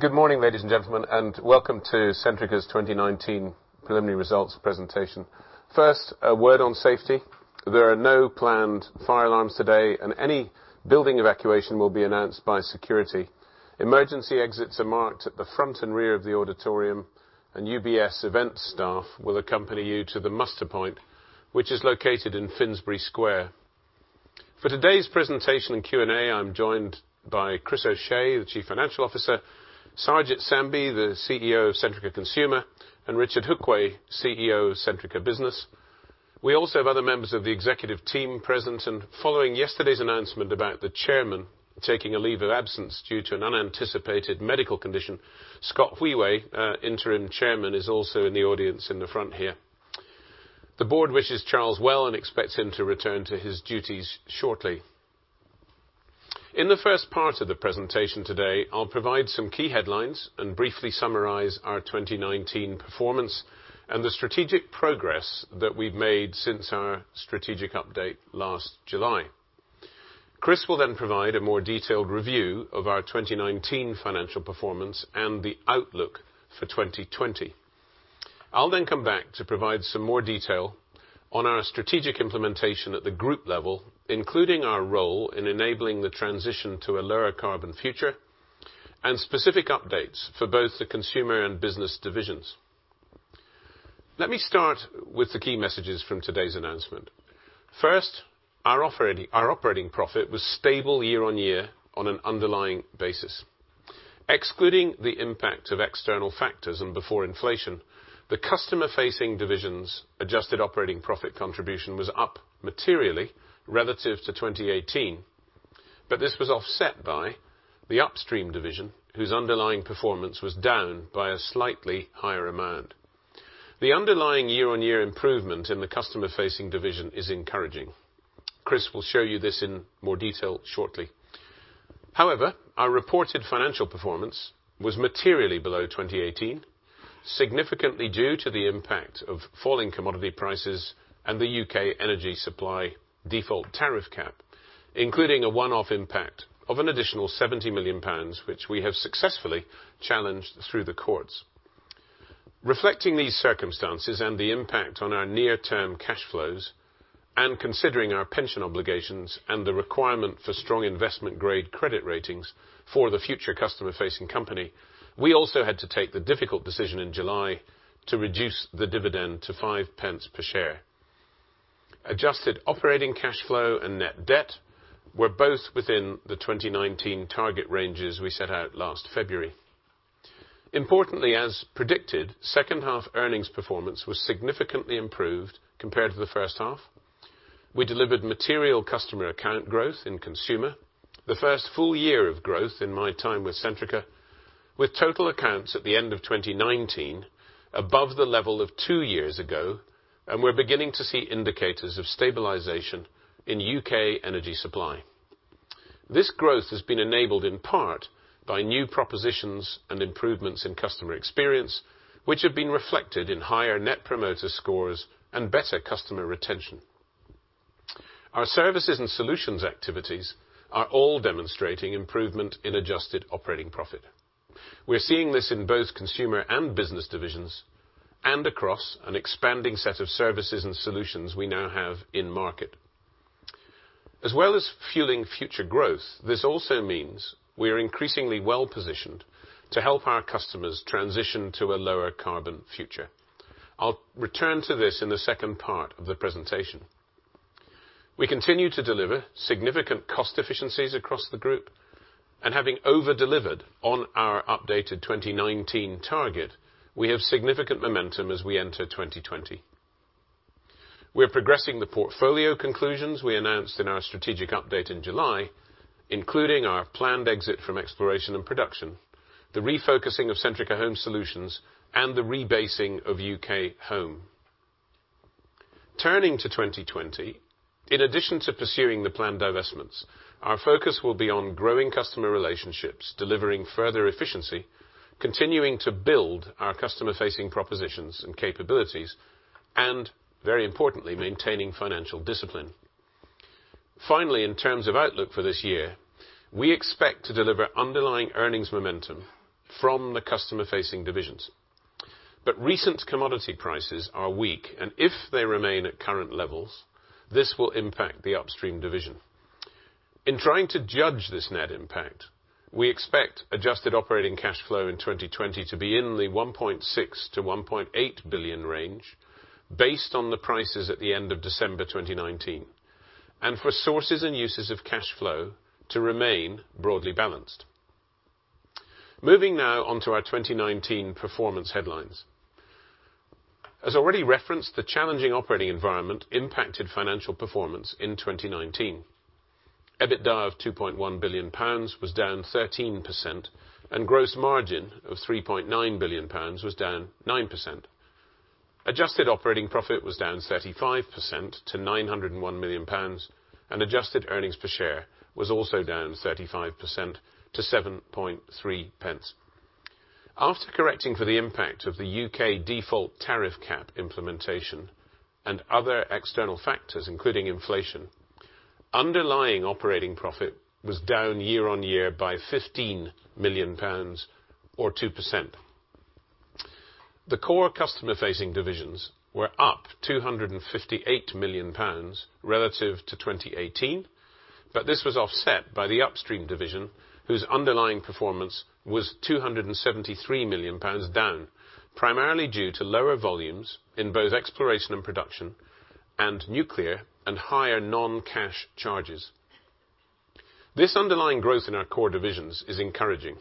Good morning, ladies and gentlemen, and welcome to Centrica's 2019 preliminary results presentation. First, a word on safety. There are no planned fire alarms today, and any building evacuation will be announced by security. Emergency exits are marked at the front and rear of the auditorium, and UBS event staff will accompany you to the muster point, which is located in Finsbury Square. For today's presentation and Q&A, I'm joined by Chris O'Shea, the Chief Financial Officer, Sarwjit Sambhi, the CEO of Centrica Consumer, and Richard Hookway, CEO of Centrica Business. We also have other members of the executive team present. Following yesterday's announcement about the Chairman taking a leave of absence due to an unanticipated medical condition, Scott Wheway, Interim Chairman, is also in the audience in the front here. The board wishes Charles well and expects him to return to his duties shortly. In the first part of the presentation today, I'll provide some key headlines and briefly summarize our 2019 performance and the strategic progress that we've made since our strategic update last July. Chris will provide a more detailed review of our 2019 financial performance and the outlook for 2020. I'll come back to provide some more detail on our strategic implementation at the group level, including our role in enabling the transition to a lower carbon future, and specific updates for both the Centrica Consumer and Centrica Business divisions. Let me start with the key messages from today's announcement. First, our operating profit was stable year-on-year on an underlying basis. Excluding the impact of external factors and before inflation, the customer-facing division's adjusted operating profit contribution was up materially relative to 2018. This was offset by the upstream division, whose underlying performance was down by a slightly higher amount. The underlying year-over-year improvement in the customer-facing division is encouraging. Chris will show you this in more detail shortly. Our reported financial performance was materially below 2018, significantly due to the impact of falling commodity prices and the U.K. energy supply default tariff cap, including a one-off impact of an additional 70 million pounds, which we have successfully challenged through the courts. Reflecting these circumstances and the impact on our near-term cash flows, and considering our pension obligations and the requirement for strong investment-grade credit ratings for the future customer-facing company, we also had to take the difficult decision in July to reduce the dividend to 0.05 per share. Adjusted operating cash flow and net debt were both within the 2019 target ranges we set out last February. Importantly, as predicted, second half earnings performance was significantly improved compared to the first half. We delivered material customer account growth in Consumer, the first full year of growth in my time with Centrica, with total accounts at the end of 2019 above the level of two years ago, and we're beginning to see indicators of stabilization in U.K. energy supply. This growth has been enabled in part by new propositions and improvements in customer experience, which have been reflected in higher net promoter scores and better customer retention. Our services and solutions activities are all demonstrating improvement in adjusted operating profit. We're seeing this in both Consumer and Business divisions and across an expanding set of services and solutions we now have in market. As well as fueling future growth, this also means we are increasingly well positioned to help our customers transition to a lower carbon future. I'll return to this in the second part of the presentation. We continue to deliver significant cost efficiencies across the group, and having over-delivered on our updated 2019 target, we have significant momentum as we enter 2020. We are progressing the portfolio conclusions we announced in our strategic update in July, including our planned exit from exploration and production, the refocusing of Centrica Home Solutions, and the rebasing of UK Home. Turning to 2020, in addition to pursuing the planned divestments, our focus will be on growing customer relationships, delivering further efficiency, continuing to build our customer-facing propositions and capabilities, and very importantly, maintaining financial discipline. Finally, in terms of outlook for this year, we expect to deliver underlying earnings momentum from the customer-facing divisions. Recent commodity prices are weak, and if they remain at current levels, this will impact the upstream division. In trying to judge this net impact, we expect adjusted operating cash flow in 2020 to be in the 1.6 billion-1.8 billion range based on the prices at the end of December 2019, and for sources and uses of cash flow to remain broadly balanced. Moving now on to our 2019 performance headlines. As already referenced, the challenging operating environment impacted financial performance in 2019. EBITDA of 2.1 billion pounds was down 13%, and gross margin of 3.9 billion pounds was down 9%. Adjusted operating profit was down 35% to 901 million pounds, and adjusted earnings per share was also down 35% to 0.073. After correcting for the impact of the U.K. default tariff cap implementation and other external factors, including inflation, underlying operating profit was down year-on-year by 15 million pounds or 2%. The core customer-facing divisions were up 258 million pounds relative to 2018, this was offset by the Upstream division, whose underlying performance was 273 million pounds down, primarily due to lower volumes in both exploration and production, and nuclear and higher non-cash charges. This underlying growth in our core divisions is encouraging,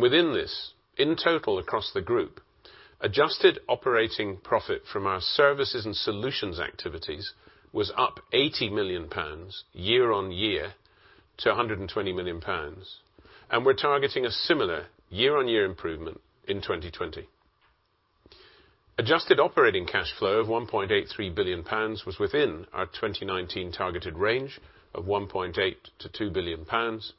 within this, in total across the group, adjusted operating profit from our services and solutions activities was up 80 million pounds year-on-year to 120 million pounds. We're targeting a similar year-on-year improvement in 2020. Adjusted operating cash flow of 1.83 billion pounds was within our 2019 targeted range of 1.8 billion-2 billion pounds.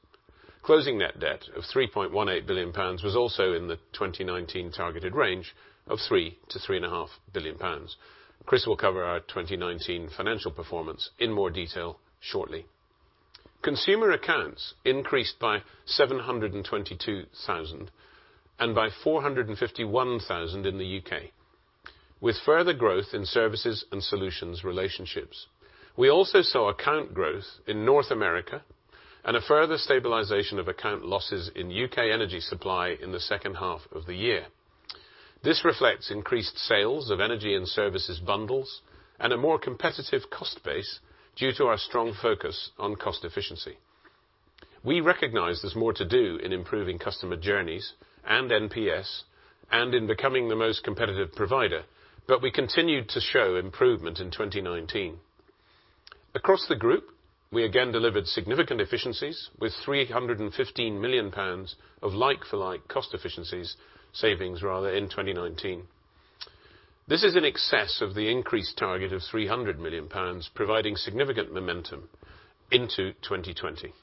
Closing net debt of 3.18 billion pounds was also in the 2019 targeted range of 3 billion-3.5 billion pounds. Chris will cover our 2019 financial performance in more detail shortly. Consumer accounts increased by 722,000 and by 451,000 in the U.K., with further growth in services and solutions relationships. We also saw account growth in North America and a further stabilization of account losses in U.K. energy supply in the second half of the year. This reflects increased sales of energy and services bundles and a more competitive cost base due to our strong focus on cost efficiency. We recognize there's more to do in improving customer journeys and NPS, and in becoming the most competitive provider. We continued to show improvement in 2019. Across the group, we again delivered significant efficiencies with 315 million pounds of like-for-like cost efficiencies, savings rather, in 2019. This is in excess of the increased target of 300 million pounds, providing significant momentum into 2020.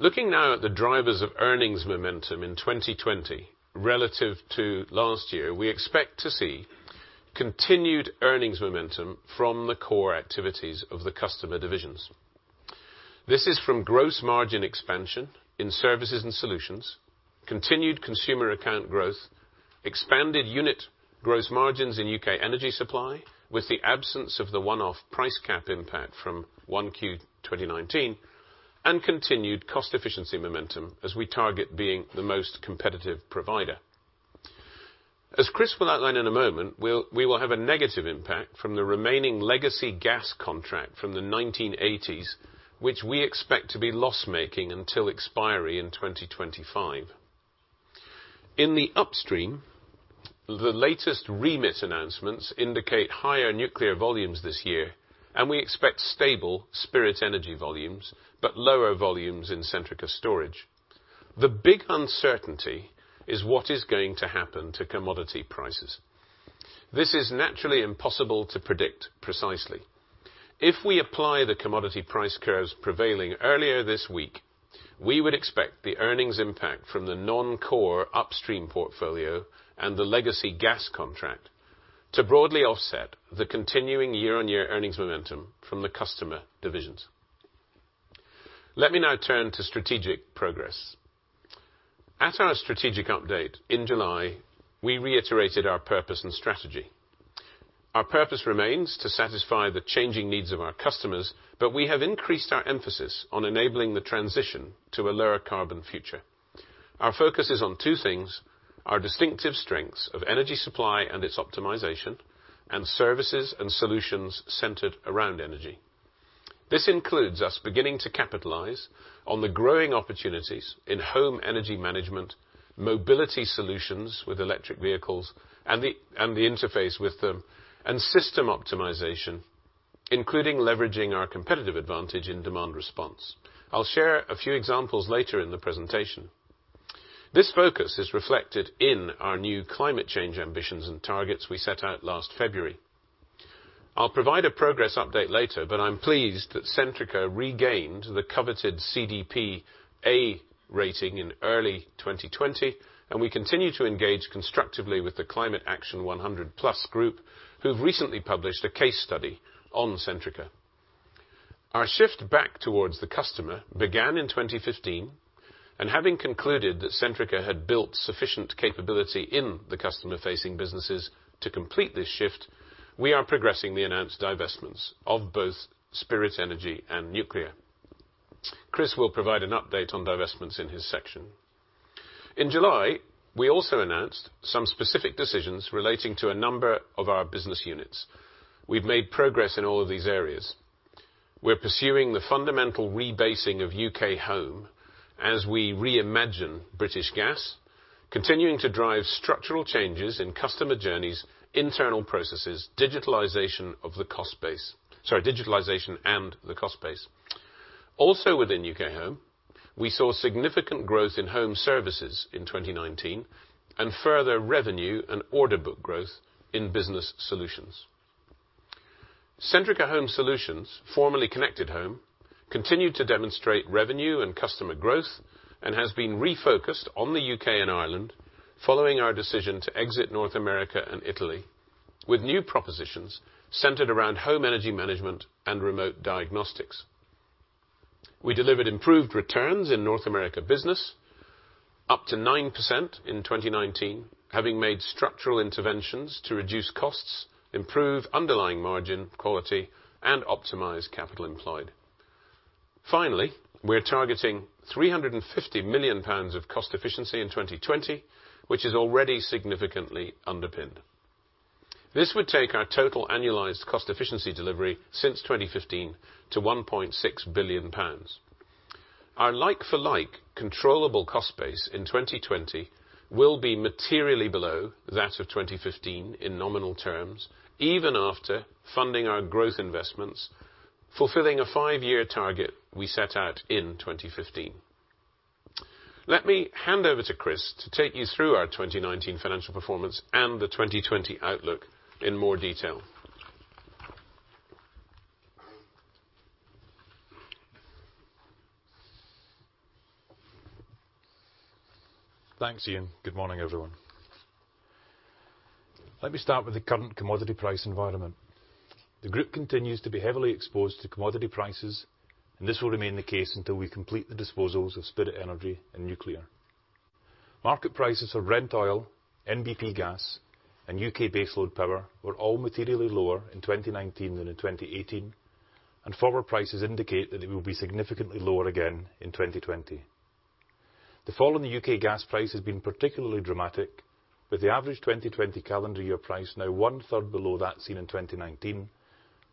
Looking now at the drivers of earnings momentum in 2020 relative to last year, we expect to see continued earnings momentum from the core activities of the customer divisions. This is from gross margin expansion in services and solutions, continued consumer account growth, expanded unit gross margins in U.K. energy supply with the absence of the one-off price cap impact from 1Q 2019, and continued cost efficiency momentum as we target being the most competitive provider. As Chris will outline in a moment, we will have a negative impact from the remaining legacy gas contract from the 1980s, which we expect to be loss-making until expiry in 2025. In the Upstream, the latest remit announcements indicate higher nuclear volumes this year, and we expect stable Spirit Energy volumes, but lower volumes in Centrica Storage. The big uncertainty is what is going to happen to commodity prices. This is naturally impossible to predict precisely. If we apply the commodity price curves prevailing earlier this week, we would expect the earnings impact from the non-core Upstream portfolio and the legacy gas contract to broadly offset the continuing year-on-year earnings momentum from the customer divisions. Let me now turn to strategic progress. At our strategic update in July, we reiterated our purpose and strategy. Our purpose remains to satisfy the changing needs of our customers, but we have increased our emphasis on enabling the transition to a lower carbon future. Our focus is on two things, our distinctive strengths of energy supply and its optimization, and services and solutions centered around energy. This includes us beginning to capitalize on the growing opportunities in home energy management, mobility solutions with electric vehicles, and the interface with them, and system optimization, including leveraging our competitive advantage in demand response. I'll share a few examples later in the presentation. This focus is reflected in our new climate change ambitions and targets we set out last February. I'll provide a progress update later, but I'm pleased that Centrica regained the coveted CDP A rating in early 2020, and we continue to engage constructively with the Climate Action 100+ group, who've recently published a case study on Centrica. Our shift back towards the customer began in 2015, and having concluded that Centrica had built sufficient capability in the customer-facing businesses to complete this shift, we progressing the announced divestments of both Spirit Energy and Nuclear. Chris will provide an update on divestments in his section. In July, we also announced some specific decisions relating to a number of our business units. We've made progress in all of these areas. We're pursuing the fundamental rebasing of UK Home as we reimagine British Gas, continuing to drive structural changes in customer journeys, internal processes, digitalization of the cost base. Sorry, digitalization and the cost base. Also within UK Home, we saw significant growth in home services in 2019 and further revenue and order book growth in Business Solutions. Centrica Home Solutions, formerly Connected Home, continued to demonstrate revenue and customer growth and has been refocused on the U.K. and Ireland following our decision to exit North America and Italy, with new propositions centered around home energy management and remote diagnostics. We delivered improved returns in North America Business, up to 9% in 2019, having made structural interventions to reduce costs, improve underlying margin quality, and optimize capital employed. Finally, we are targeting 350 million pounds of cost efficiency in 2020, which is already significantly underpinned. This would take our total annualized cost efficiency delivery since 2015 to 1.6 billion pounds. Our like-for-like controllable cost base in 2020 will be materially below that of 2015 in nominal terms, even after funding our growth investments, fulfilling a five-year target we set out in 2015. Let me hand over to Chris to take you through our 2019 financial performance and the 2020 outlook in more detail. Thanks, Iain. Good morning, everyone. Let me start with the current commodity price environment. The group continues to be heavily exposed to commodity prices, and this will remain the case until we complete the disposals of Spirit Energy and Nuclear. Market prices of Brent Oil, NBP Gas, and U.K. base load power were all materially lower in 2019 than in 2018, and forward prices indicate that it will be significantly lower again in 2020. The fall in the U.K. gas price has been particularly dramatic, with the average 2020 calendar year price now one-third below that seen in 2019,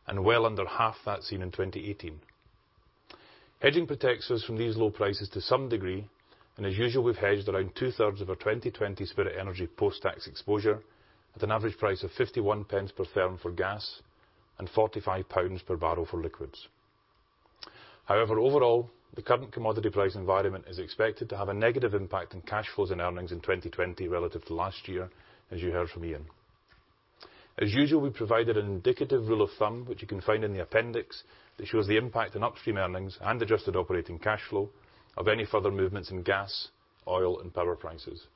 and well under half that seen in 2018. Hedging protects us from these low prices to some degree, and as usual, we've hedged around two-thirds of our 2020 Spirit Energy post-tax exposure at an average price of 0.51 per therm for gas and 45 pounds per barrel for liquids. However, overall, the current commodity price environment is expected to have a negative impact on cash flows and earnings in 2020 relative to last year, as you heard from Iain. As usual, we provided an indicative rule of thumb, which you can find in the appendix, that shows the impact on upstream earnings and adjusted operating cash flow of any further movements in gas, oil, and power prices.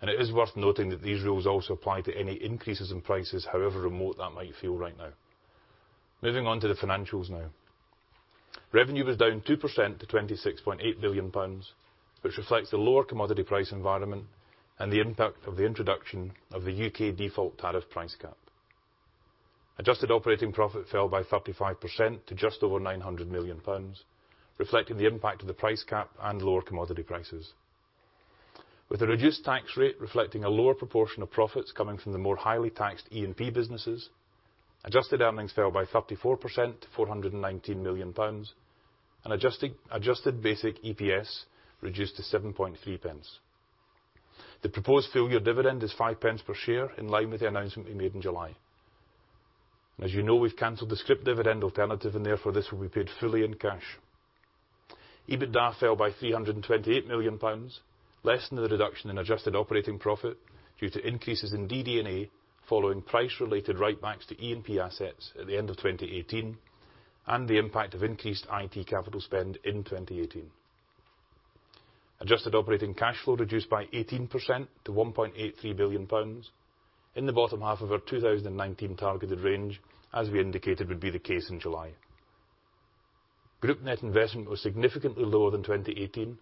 It is worth noting that these rules also apply to any increases in prices, however remote that might feel right now. Moving on to the financials now. Revenue was down 2% to 26.8 billion pounds, which reflects the lower commodity price environment and the impact of the introduction of the U.K. default tariff price cap. Adjusted operating profit fell by 35% to just over 900 million pounds, reflecting the impact of the price cap and lower commodity prices. With a reduced tax rate reflecting a lower proportion of profits coming from the more highly taxed E&P businesses, adjusted earnings fell by 34% to 419 million pounds, adjusted basic EPS reduced to 0.073. The proposed full-year dividend is 0.05 per share in line with the announcement we made in July. As you know, we've canceled the scrip dividend alternative and therefore this will be paid fully in cash. EBITDA fell by 328 million pounds, less than the reduction in adjusted operating profit due to increases in DD&A following price-related write-backs to E&P assets at the end of 2018 and the impact of increased IT capital spend in 2018. Adjusted operating cash flow reduced by 18% to 1.83 billion pounds in the bottom half of our 2019 targeted range, as we indicated would be the case in July. Group net investment was significantly lower than 2018,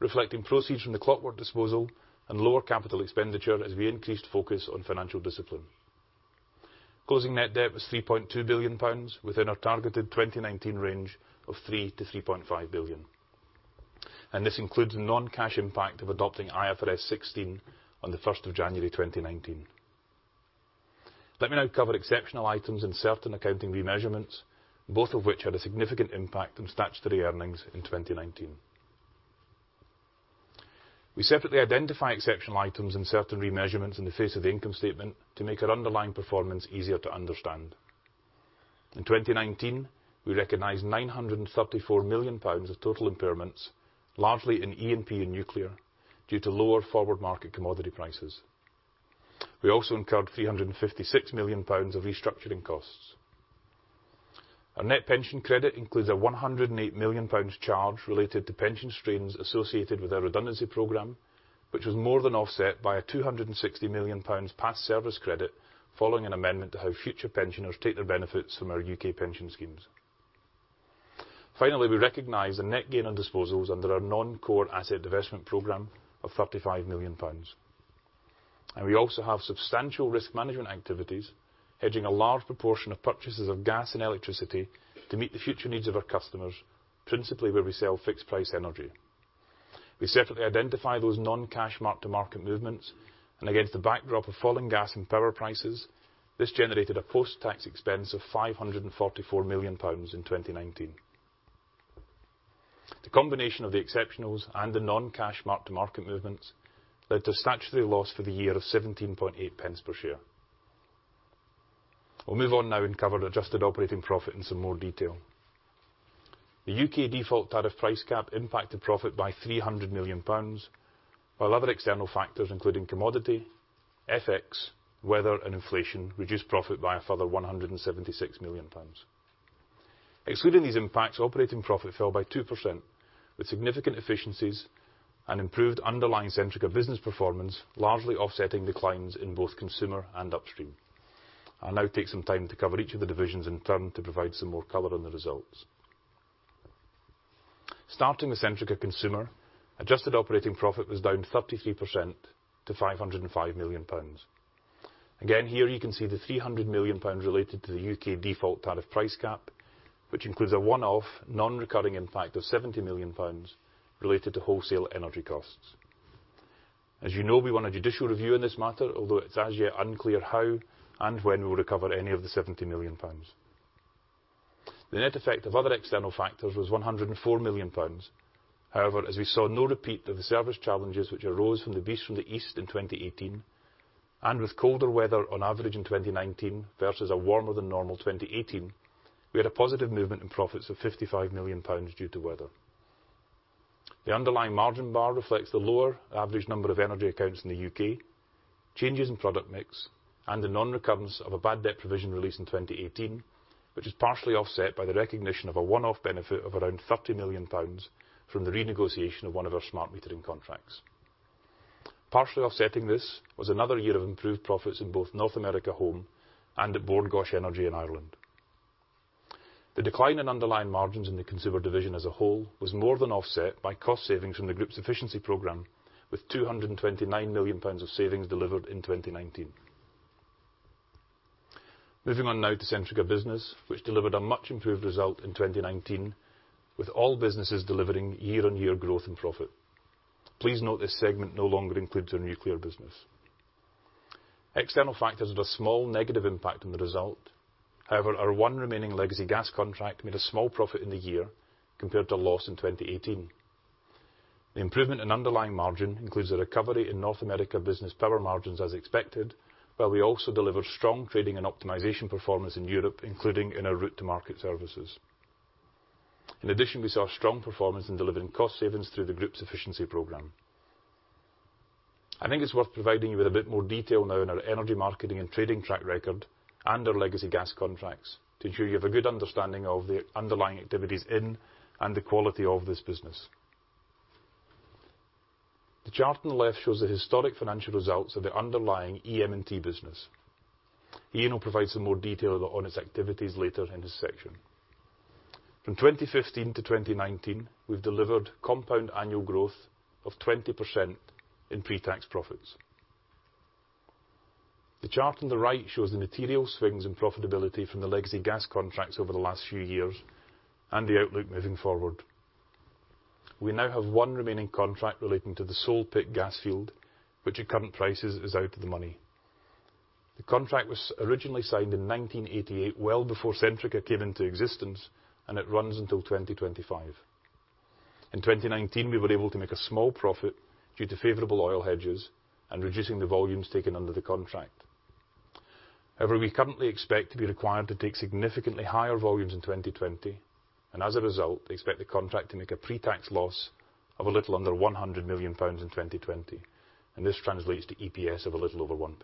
reflecting proceeds from the Clockwork disposal and lower capital expenditure as we increased focus on financial discipline. Closing net debt was 3.2 billion pounds within our targeted 2019 range of 3 billion-3.5 billion. This includes the non-cash impact of adopting IFRS 16 on the 1st of January 2019. Let me now cover exceptional items and certain accounting remeasurements, both of which had a significant impact on statutory earnings in 2019. We separately identify exceptional items and certain remeasurements in the face of the income statement to make our underlying performance easier to understand. In 2019, we recognized 934 million pounds of total impairments, largely in E&P and Nuclear, due to lower forward market commodity prices. We also incurred 356 million pounds of restructuring costs. Our net pension credit includes a 108 million pounds charge related to pension strains associated with our redundancy program, which was more than offset by a 260 million pounds past service credit following an amendment to how future pensioners take their benefits from our U.K. pension schemes. We recognize the net gain on disposals under our core asset divestment program of 35 million pounds. We also have substantial risk management activities, hedging a large proportion of purchases of gas and electricity to meet the future needs of our customers, principally where we sell fixed price energy. We separately identify those non-cash mark to market movements, and against the backdrop of falling gas and power prices, this generated a post-tax expense of 544 million pounds in 2019. The combination of the exceptionals and the non-cash mark-to-market movements led to statutory loss for the year of 0.178 per share. We'll move on now and cover adjusted operating profit in some more detail. The U.K. default tariff price cap impacted profit by £300 million, while other external factors, including commodity, FX, weather, and inflation, reduced profit by a further £176 million. Excluding these impacts, operating profit fell by 2%, with significant efficiencies and improved underlying Centrica Business Performance largely offsetting declines in both Consumer and Upstream. I'll now take some time to cover each of the divisions in turn to provide some more color on the results. Starting with Centrica Consumer, adjusted operating profit was down 33% to £505 million. Again, here you can see the £300 million related to the U.K. default tariff price cap, which includes a one-off non-recurring impact of £70 million related to wholesale energy costs. As you know, we won a judicial review in this matter, although it's as yet unclear how and when we will recover any of the 70 million pounds. The net effect of other external factors was 104 million pounds. As we saw no repeat of the service challenges which arose from the Beast from the East in 2018, and with colder weather on average in 2019 versus a warmer than normal 2018, we had a positive movement in profits of 55 million pounds due to weather. The underlying margin bar reflects the lower average number of energy accounts in the U.K., changes in product mix, and the non-recurrence of a bad debt provision release in 2018, which is partially offset by the recognition of a one-off benefit of around 30 million pounds from the renegotiation of one of our smart metering contracts. Partially offsetting this was another year of improved profits in both North America Home and at Bord Gáis Energy in Ireland. The decline in underlying margins in the Consumer division as a whole was more than offset by cost savings from the group's efficiency program, with 229 million pounds of savings delivered in 2019. Moving on now to Centrica Business, which delivered a much improved result in 2019, with all businesses delivering year-on-year growth and profit. Please note this segment no longer includes our nuclear business. External factors had a small negative impact on the result. Our one remaining legacy gas contract made a small profit in the year compared to a loss in 2018. The improvement in underlying margin includes a recovery in North America Business power margins as expected, while we also delivered strong trading and optimization performance in Europe, including in our route to market services. In addition, we saw strong performance in delivering cost savings through the group's efficiency program. I think it's worth providing you with a bit more detail now on our Energy Marketing & Trading track record and our legacy gas contracts to ensure you have a good understanding of the underlying activities in and the quality of this business. The chart on the left shows the historic financial results of the underlying EM&T business. Iain will provide some more detail on his activities later in his section. From 2015-2019, we've delivered compound annual growth of 20% in pre-tax profits. The chart on the right shows the material swings in profitability from the legacy gas contracts over the last few years and the outlook moving forward. We now have one remaining contract relating to the Sole Pit gas field, which at current prices is out of the money. The contract was originally signed in 1988, well before Centrica came into existence, and it runs until 2025. In 2019, we were able to make a small profit due to favorable oil hedges and reducing the volumes taken under the contract. However, we currently expect to be required to take significantly higher volumes in 2020 and, as a result, expect the contract to make a pre-tax loss of a little under 100 million pounds in 2020, and this translates to EPS of a little over 0.01.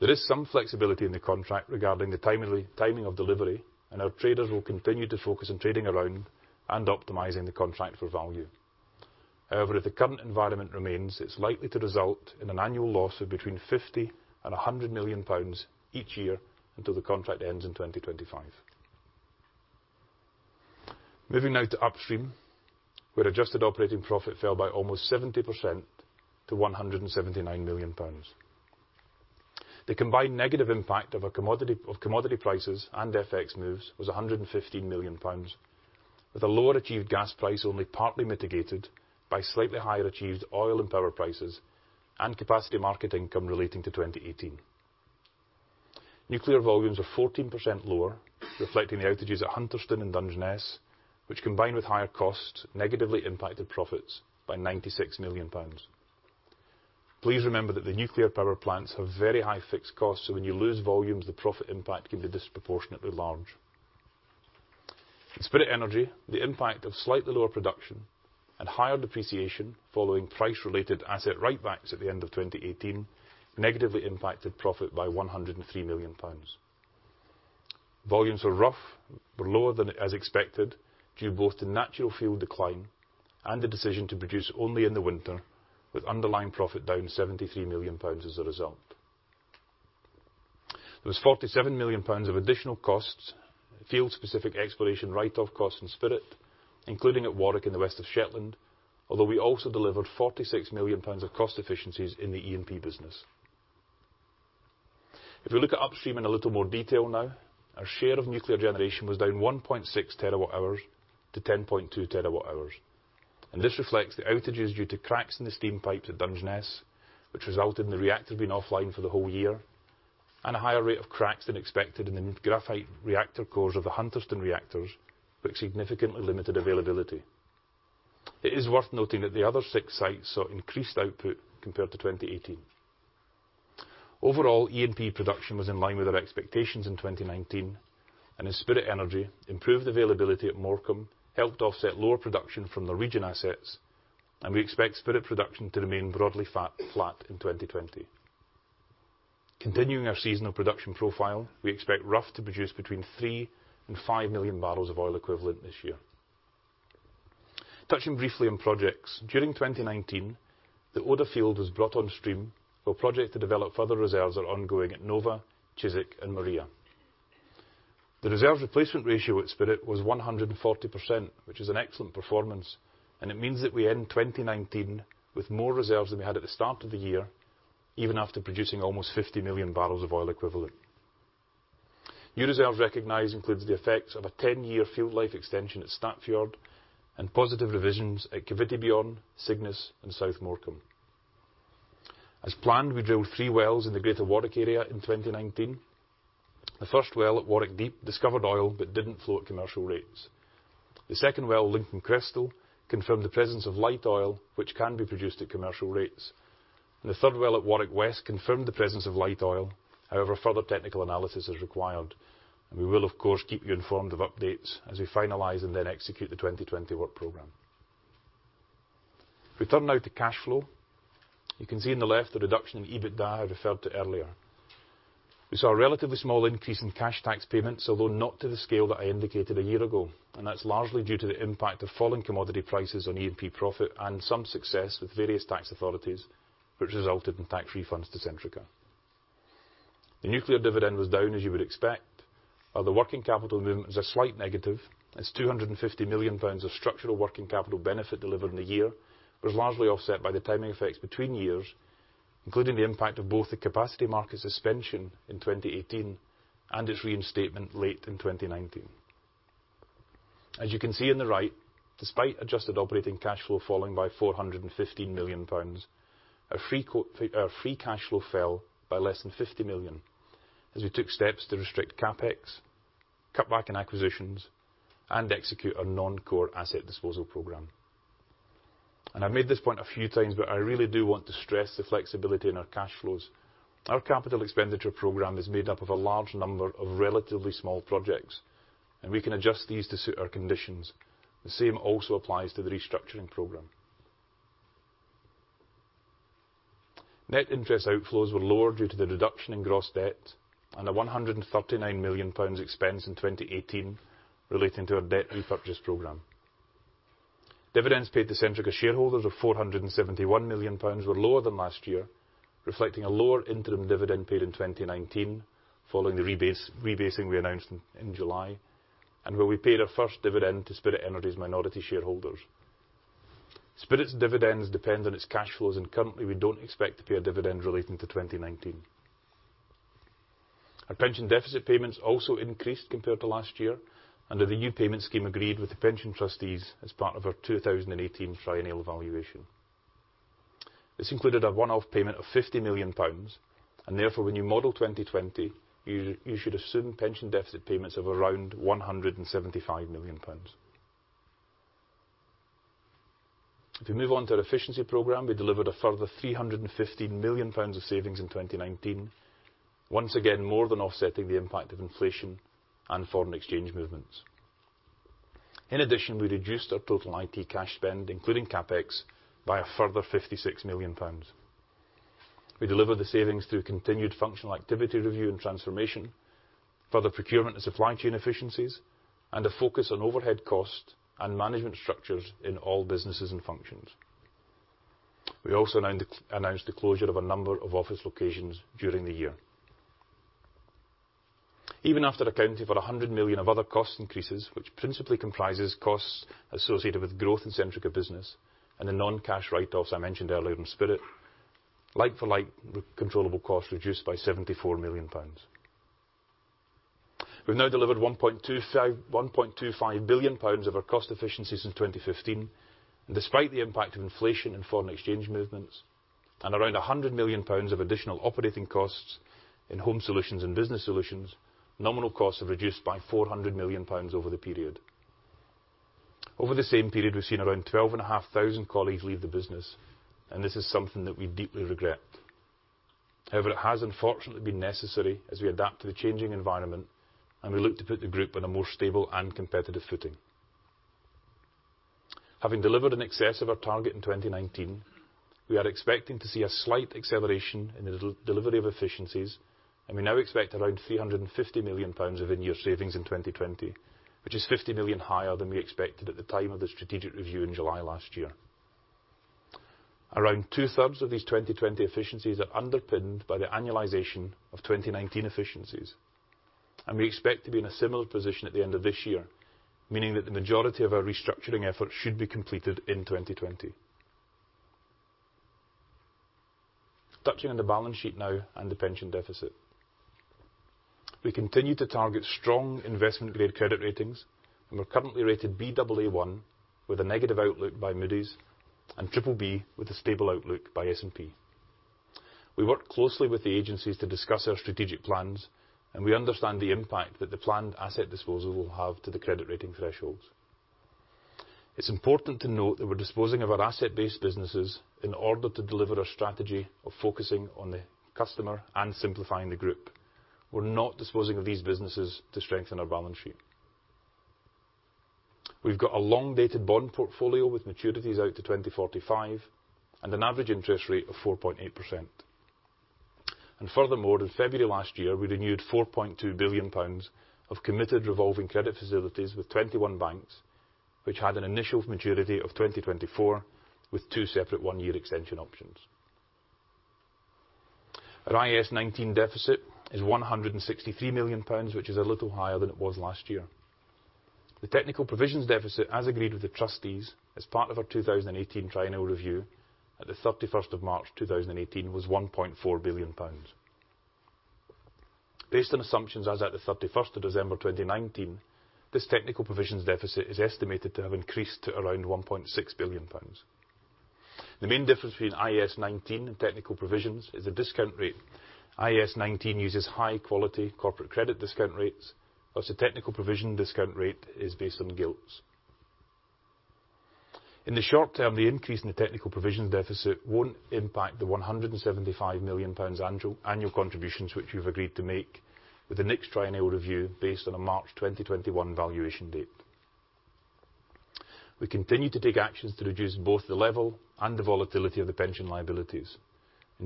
There is some flexibility in the contract regarding the timing of delivery, and our traders will continue to focus on trading around and optimizing the contract for value. However, if the current environment remains, it's likely to result in an annual loss of between 50 million and 100 million pounds each year until the contract ends in 2025. Moving now to Upstream, where adjusted operating profit fell by almost 70% to 179 million pounds. The combined negative impact of commodity prices and FX moves was 115 million pounds, with a lower achieved gas price only partly mitigated by slightly higher achieved oil and power prices and capacity market income relating to 2018. Nuclear volumes are 14% lower, reflecting the outages at Hunterston and Dungeness, which, combined with higher costs, negatively impacted profits by 96 million pounds. Please remember that the nuclear power plants have very high fixed costs, so when you lose volumes, the profit impact can be disproportionately large. In Spirit Energy, the impact of slightly lower production and higher depreciation following price related asset write-backs at the end of 2018 negatively impacted profit by 103 million pounds. Volumes were Rough, were lower than as expected, due both to natural field decline and the decision to produce only in the winter, with underlying profit down 73 million pounds as a result. There was 47 million pounds of additional costs, field-specific exploration write-off costs from Spirit, including at Warwick in the west of Shetland, although we also delivered 46 million pounds of cost efficiencies in the E&P business. If we look at Upstream in a little more detail now, our share of nuclear generation was down 1.6 TWh to 10.2 TWh. This reflects the outages due to cracks in the steam pipes at Dungeness, which resulted in the reactor being offline for the whole year, and a higher rate of cracks than expected in the graphite reactor cores of the Hunterston reactors, which significantly limited availability. It is worth noting that the other six sites saw increased output compared to 2018. Overall, E&P production was in line with our expectations in 2019, and in Spirit Energy, improved availability at Morecambe helped offset lower production from the region assets, and we expect Spirit production to remain broadly flat in 2020. Continuing our seasonal production profile, we expect Rough to produce between 3 million and 5 million barrels of oil equivalent this year. Touching briefly on projects, during 2019, the Oda field was brought on stream, while projects to develop further reserves are ongoing at Nova, Chiswick, and Maria. The reserve replacement ratio at Spirit was 140%, which is an excellent performance, and it means that we end 2019 with more reserves than we had at the start of the year, even after producing almost 50 million barrels of oil equivalent. New reserves recognized includes the effects of a 10-year field life extension at Statfjord and positive revisions at Kvitebjørn, Cygnus, and South Morecambe. As planned, we drilled three wells in the greater Warwick area in 2019. The first well at Warwick Deep discovered oil, but didn't flow at commercial rates. The second well, Lincoln Crestal, confirmed the presence of light oil which can be produced at commercial rates. The third well at Warwick West confirmed the presence of light oil. However, further technical analysis is required, and we will, of course, keep you informed of updates as we finalize and then execute the 2020 work program. If we turn now to cash flow, you can see on the left the reduction in EBITDA I referred to earlier. We saw a relatively small increase in cash tax payments, although not to the scale that I indicated a year ago. That's largely due to the impact of falling commodity prices on E&P profit and some success with various tax authorities which resulted in tax refunds to Centrica. The nuclear dividend was down, as you would expect, while the working capital movement was a slight negative as 250 million pounds of structural working capital benefit delivered in the year was largely offset by the timing effects between years, including the impact of both the capacity market suspension in 2018 and its reinstatement late in 2019. As you can see on the right, despite adjusted operating cash flow falling by 415 million pounds, our free cash flow fell by less than 50 million, as we took steps to restrict CapEx, cut back on acquisitions, and execute our non-core asset disposal program. I made this point a few times, but I really do want to stress the flexibility in our cash flows. Our capital expenditure program is made up of a large number of relatively small projects, and we can adjust these to suit our conditions. The same also applies to the restructuring program. Net interest outflows were lower due to the reduction in gross debt and a 139 million pounds expense in 2018 relating to our debt repurchase program. Dividends paid to Centrica shareholders of 471 million pounds were lower than last year, reflecting a lower interim dividend paid in 2019 following the rebasing we announced in July, and where we paid our first dividend to Spirit Energy's minority shareholders. Spirit's dividends depend on its cash flows, and currently we don't expect to pay a dividend relating to 2019. Our pension deficit payments also increased compared to last year under the new payment scheme agreed with the pension trustees as part of our 2018 triennial evaluation. This included a one-off payment of 50 million pounds, and therefore when you model 2020, you should assume pension deficit payments of around 175 million pounds. If we move on to our efficiency program, we delivered a further 315 million pounds of savings in 2019. Once again, more than offsetting the impact of inflation and foreign exchange movements. In addition, we reduced our total IT cash spend, including CapEx, by a further 56 million pounds. We delivered the savings through continued functional activity review and transformation, further procurement and supply chain efficiencies, and a focus on overhead cost and management structures in all businesses and functions. We also announced the closure of a number of office locations during the year. Even after accounting for 100 million of other cost increases, which principally comprises costs associated with growth in Centrica Business and the non-cash write-offs I mentioned earlier in Spirit, like for like, the controllable costs reduced by 74 million pounds. We've now delivered 1.25 billion pounds of our cost efficiencies since 2015. Despite the impact of inflation and foreign exchange movements and around 100 million pounds of additional operating costs in Home Solutions and Business Solutions, nominal costs have reduced by 400 million pounds over the period. Over the same period, we've seen around 12,500 colleagues leave the business, and this is something that we deeply regret. However, it has unfortunately been necessary as we adapt to the changing environment, and we look to put the group on a more stable and competitive footing. Having delivered in excess of our target in 2019, we are expecting to see a slight acceleration in the delivery of efficiencies, and we now expect around 350 million pounds of in-year savings in 2020, which is 50 million higher than we expected at the time of the strategic review in July last year. Around two-thirds of these 2020 efficiencies are underpinned by the annualization of 2019 efficiencies, and we expect to be in a similar position at the end of this year, meaning that the majority of our restructuring efforts should be completed in 2020. Touching on the balance sheet now and the pension deficit. We continue to target strong investment-grade credit ratings, and we're currently rated Baa1 with a negative outlook by Moody's, and BBB with a stable outlook by S&P. We work closely with the agencies to discuss our strategic plans, and we understand the impact that the planned asset disposal will have to the credit rating thresholds. It's important to note that we're disposing of our asset-based businesses in order to deliver our strategy of focusing on the customer and simplifying the group. We're not disposing of these businesses to strengthen our balance sheet. We've got a long-dated bond portfolio with maturities out to 2045 and an average interest rate of 4.8%. Furthermore, in February last year, we renewed 4.2 billion pounds of committed revolving credit facilities with 21 banks, which had an initial maturity of 2024, with two separate one-year extension options. Our IAS 19 deficit is 163 million pounds, which is a little higher than it was last year. The technical provisions deficit, as agreed with the trustees as part of our 2018 triennial review at the 31st of March 2018, was 1.4 billion pounds. Based on assumptions as at the 31st of December 2019, this technical provisions deficit is estimated to have increased to around 1.6 billion pounds. The main difference between IAS 19 and technical provisions is the discount rate. IAS 19 uses high-quality corporate credit discount rates, whilst the technical provision discount rate is based on gilts. In the short term, the increase in the technical provisions deficit won't impact the 175 million pounds annual contributions which we've agreed to make with the next triennial review based on a March 2021 valuation date. We continue to take actions to reduce both the level and the volatility of the pension liabilities.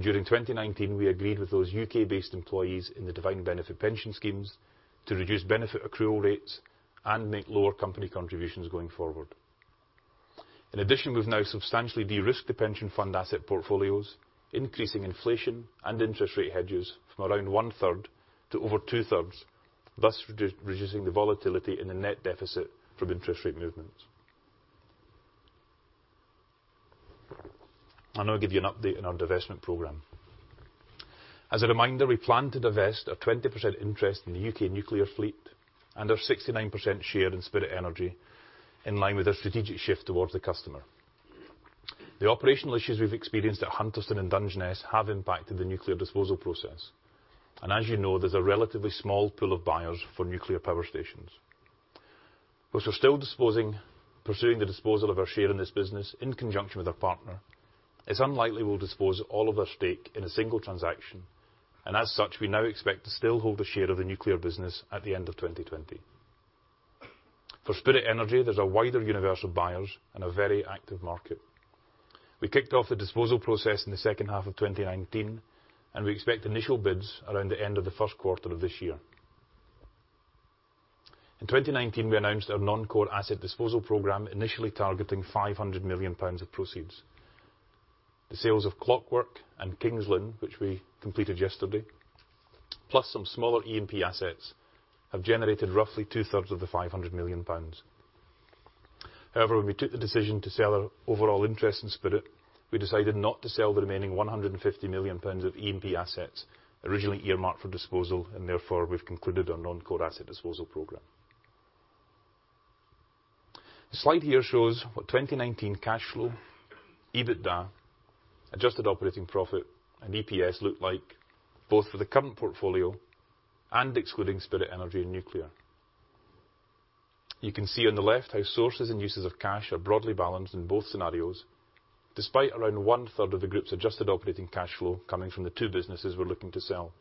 During 2019, we agreed with those U.K.-based employees in the defined benefit pension schemes to reduce benefit accrual rates and make lower company contributions going forward. In addition, we've now substantially de-risked the pension fund asset portfolios, increasing inflation and interest rate hedges from around 1/3 to over 2/3, thus reducing the volatility in the net deficit from interest rate movements. I'll now give you an update on our divestment program. As a reminder, we plan to divest our 20% interest in the U.K. nuclear fleet and our 69% share in Spirit Energy in line with our strategic shift towards the customer. The operational issues we've experienced at Hunterston and Dungeness have impacted the nuclear disposal process. As you know, there's a relatively small pool of buyers for nuclear power stations. Whilst we're still pursuing the disposal of our share in this business in conjunction with our partner, it's unlikely we'll dispose all of our stake in a single transaction. As such, we now expect to still hold a share of the nuclear business at the end of 2020. For Spirit Energy, there's a wider universe of buyers and a very active market. We kicked off the disposal process in the second half of 2019. We expect initial bids around the end of the first quarter of this year. In 2019, we announced our Non-Core Asset Disposal Program, initially targeting 500 million pounds of proceeds. The sales of Clockwork and King's Lynn, which we completed yesterday, plus some smaller E&P assets, have generated roughly two-thirds of the 500 million pounds. When we took the decision to sell our overall interest in Spirit, we decided not to sell the remaining 150 million pounds of E&P assets originally earmarked for disposal, we've concluded our non-core asset disposal program. The slide here shows what 2019 cash flow, EBITDA, adjusted operating profit, and EPS looked like, both for the current portfolio and excluding Spirit Energy and nuclear. You can see on the left how sources and uses of cash are broadly balanced in both scenarios, despite around one-third of the group's adjusted operating cash flow coming from the two businesses we're looking to sell.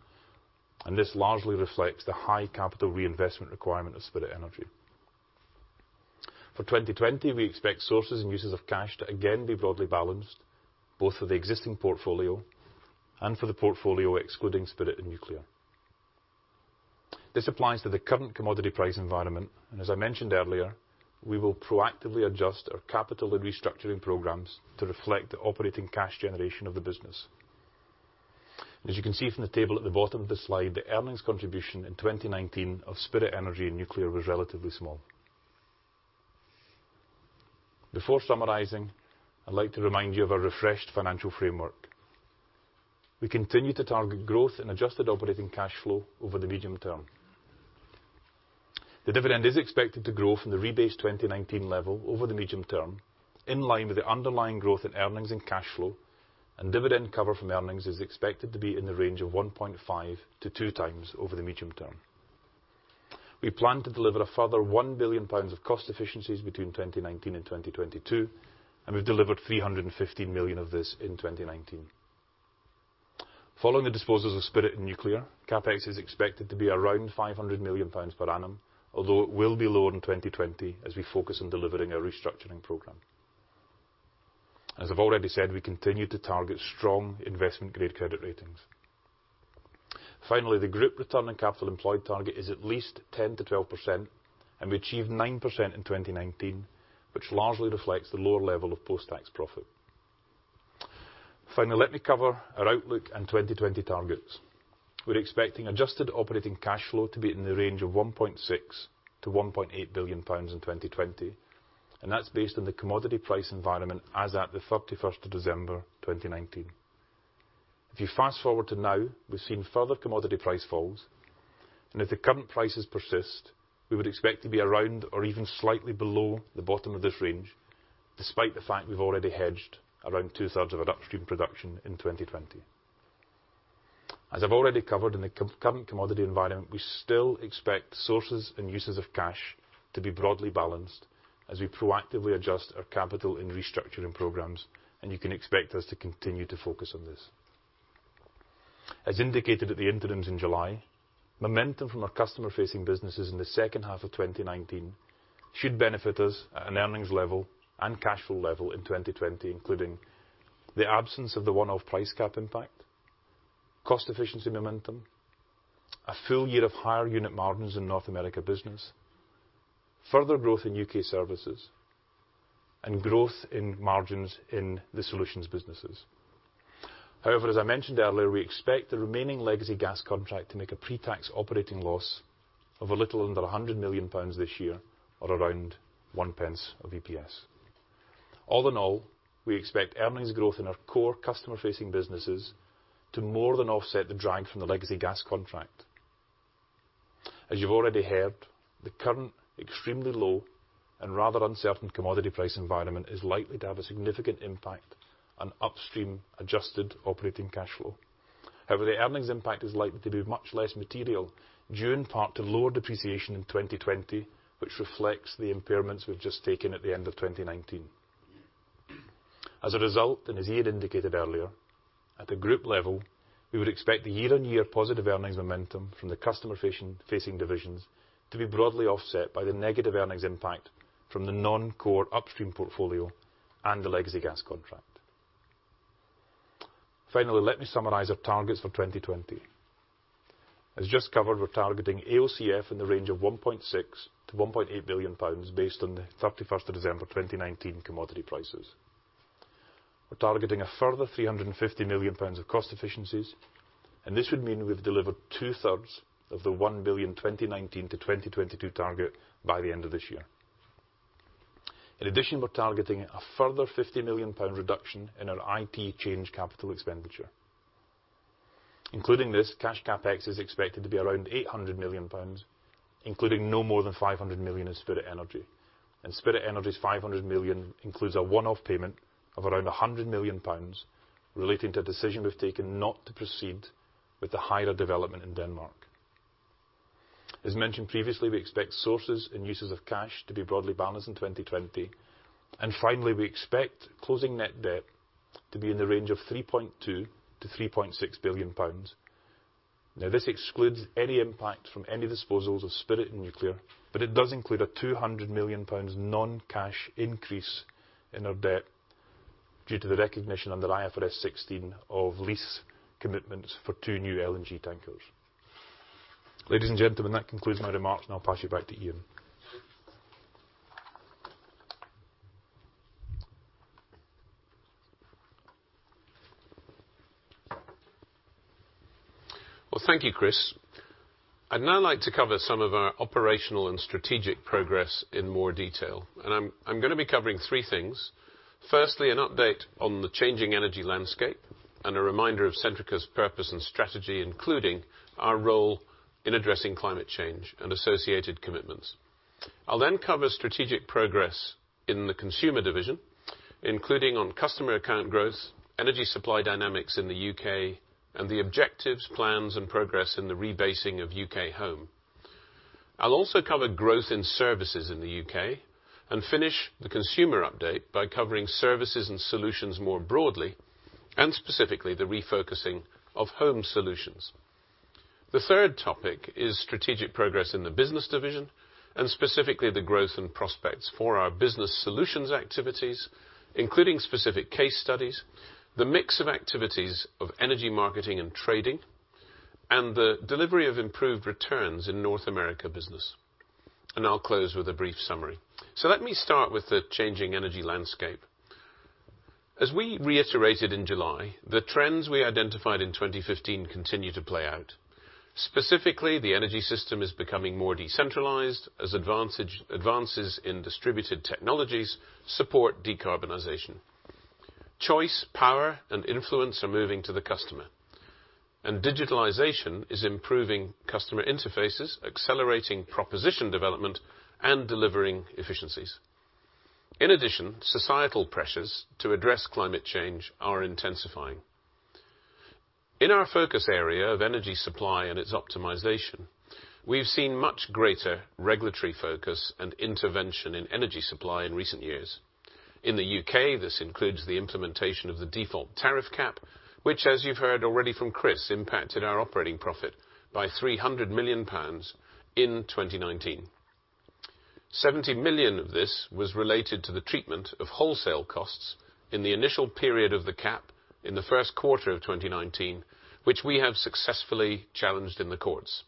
This largely reflects the high capital reinvestment requirement of Spirit Energy. For 2020, we expect sources and uses of cash to again be broadly balanced, both for the existing portfolio and for the portfolio excluding Spirit and nuclear. This applies to the current commodity price environment, and as I mentioned earlier, we will proactively adjust our capital and restructuring programs to reflect the operating cash generation of the business. As you can see from the table at the bottom of the slide, the earnings contribution in 2019 of Spirit Energy and nuclear was relatively small. Before summarizing, I'd like to remind you of our refreshed financial framework. We continue to target growth in adjusted operating cash flow over the medium term. The dividend is expected to grow from the rebased 2019 level over the medium term, in line with the underlying growth in earnings and cash flow, and dividend cover from earnings is expected to be in the range of 1.5x to 2x over the medium term. We plan to deliver a further 1 billion pounds of cost efficiencies between 2019 and 2022, and we've delivered 315 million of this in 2019. Following the disposals of Spirit and nuclear, CapEx is expected to be around 500 million pounds per annum, although it will be lower in 2020 as we focus on delivering our restructuring program. As I've already said, we continue to target strong investment-grade credit ratings. Finally, the group return on capital employed target is at least 10%-12%, and we achieved 9% in 2019, which largely reflects the lower level of post-tax profit. Finally, let me cover our outlook and 2020 targets. We're expecting adjusted operating cash flow to be in the range of 1.6 billion-1.8 billion pounds in 2020, and that's based on the commodity price environment as at the 31st of December 2019. If you fast-forward to now, we've seen further commodity price falls. If the current prices persist, we would expect to be around or even slightly below the bottom of this range, despite the fact we've already hedged around two-thirds of our upstream production in 2020. As I've already covered in the current commodity environment, we still expect sources and uses of cash to be broadly balanced as we proactively adjust our capital and restructuring programs. You can expect us to continue to focus on this. As indicated at the interims in July, momentum from our customer-facing businesses in the second half of 2019 should benefit us at an earnings level and cash flow level in 2020, including the absence of the one-off price cap impact, cost efficiency momentum, a full year of higher unit margins in North America Business, further growth in U.K. services, and growth in margins in the solutions businesses. As I mentioned earlier, we expect the remaining legacy gas contract to make a pre-tax operating loss of a little under 100 million pounds this year, or around 0.01 of EPS. We expect earnings growth in our core customer-facing businesses to more than offset the drag from the legacy gas contract. As you've already heard, the current extremely low and rather uncertain commodity price environment is likely to have a significant impact on upstream adjusted operating cash flow. The earnings impact is likely to be much less material, due in part to lower depreciation in 2020, which reflects the impairments we've just taken at the end of 2019. As a result, and as Iain indicated earlier, at the group level, we would expect the year-on-year positive earnings momentum from the customer-facing divisions to be broadly offset by the negative earnings impact from the non-core upstream portfolio and the legacy gas contract. Let me summarize our targets for 2020. As just covered, we're targeting AOCF in the range of 1.6 billion-1.8 billion pounds based on the 31st of December 2019 commodity prices. We're targeting a further 350 million pounds of cost efficiencies, and this would mean we've delivered two-thirds of the 1 billion 2019 to 2022 target by the end of this year. In addition, we're targeting a further 50 million pound reduction in our IT change capital expenditure. Including this, cash CapEx is expected to be around 800 million pounds, including no more than 500 million in Spirit Energy. Spirit Energy's 500 million includes a one-off payment of around 100 million pounds relating to a decision we've taken not to proceed with the Hejre development in Denmark. As mentioned previously, we expect sources and uses of cash to be broadly balanced in 2020. Finally, we expect closing net debt to be in the range of 3.2 billion-3.6 billion pounds. Now, this excludes any impact from any disposals of Spirit and Nuclear, but it does include a 200 million pounds non-cash increase in our debt due to the recognition under IFRS 16 of lease commitments for two new LNG tankers. Ladies and gentlemen, that concludes my remarks, and I'll pass you back to Iain. Well, thank you, Chris. I'd now like to cover some of our operational and strategic progress in more detail, and I'm going to be covering three things. Firstly, an update on the changing energy landscape and a reminder of Centrica's purpose and strategy, including our role in addressing climate change and associated commitments. I'll then cover strategic progress in the Consumer division, including on customer account growth, energy supply dynamics in the U.K., and the objectives, plans, and progress in the rebasing of U.K. Home. I'll also cover growth in services in the U.K. and finish the consumer update by covering services and solutions more broadly, and specifically, the refocusing of Home Solutions. The third topic is strategic progress in the business division, and specifically the growth and prospects for our Centrica Business Solutions activities, including specific case studies, the mix of activities of Energy Marketing & Trading, and the delivery of improved returns in North America Business. I'll close with a brief summary. Let me start with the changing energy landscape. As we reiterated in July, the trends we identified in 2015 continue to play out. Specifically, the energy system is becoming more decentralized as advances in distributed technologies support decarbonization. Choice, power, and influence are moving to the customer, and digitalization is improving customer interfaces, accelerating proposition development, and delivering efficiencies. In addition, societal pressures to address climate change are intensifying. In our focus area of energy supply and its optimization, we've seen much greater regulatory focus and intervention in energy supply in recent years. In the U.K., this includes the implementation of the default tariff cap, which, as you've heard already from Chris, impacted our operating profit by 300 million pounds in 2019. 70 million of this was related to the treatment of wholesale costs in the initial period of the cap in the first quarter of 2019, which we have successfully challenged in the courts.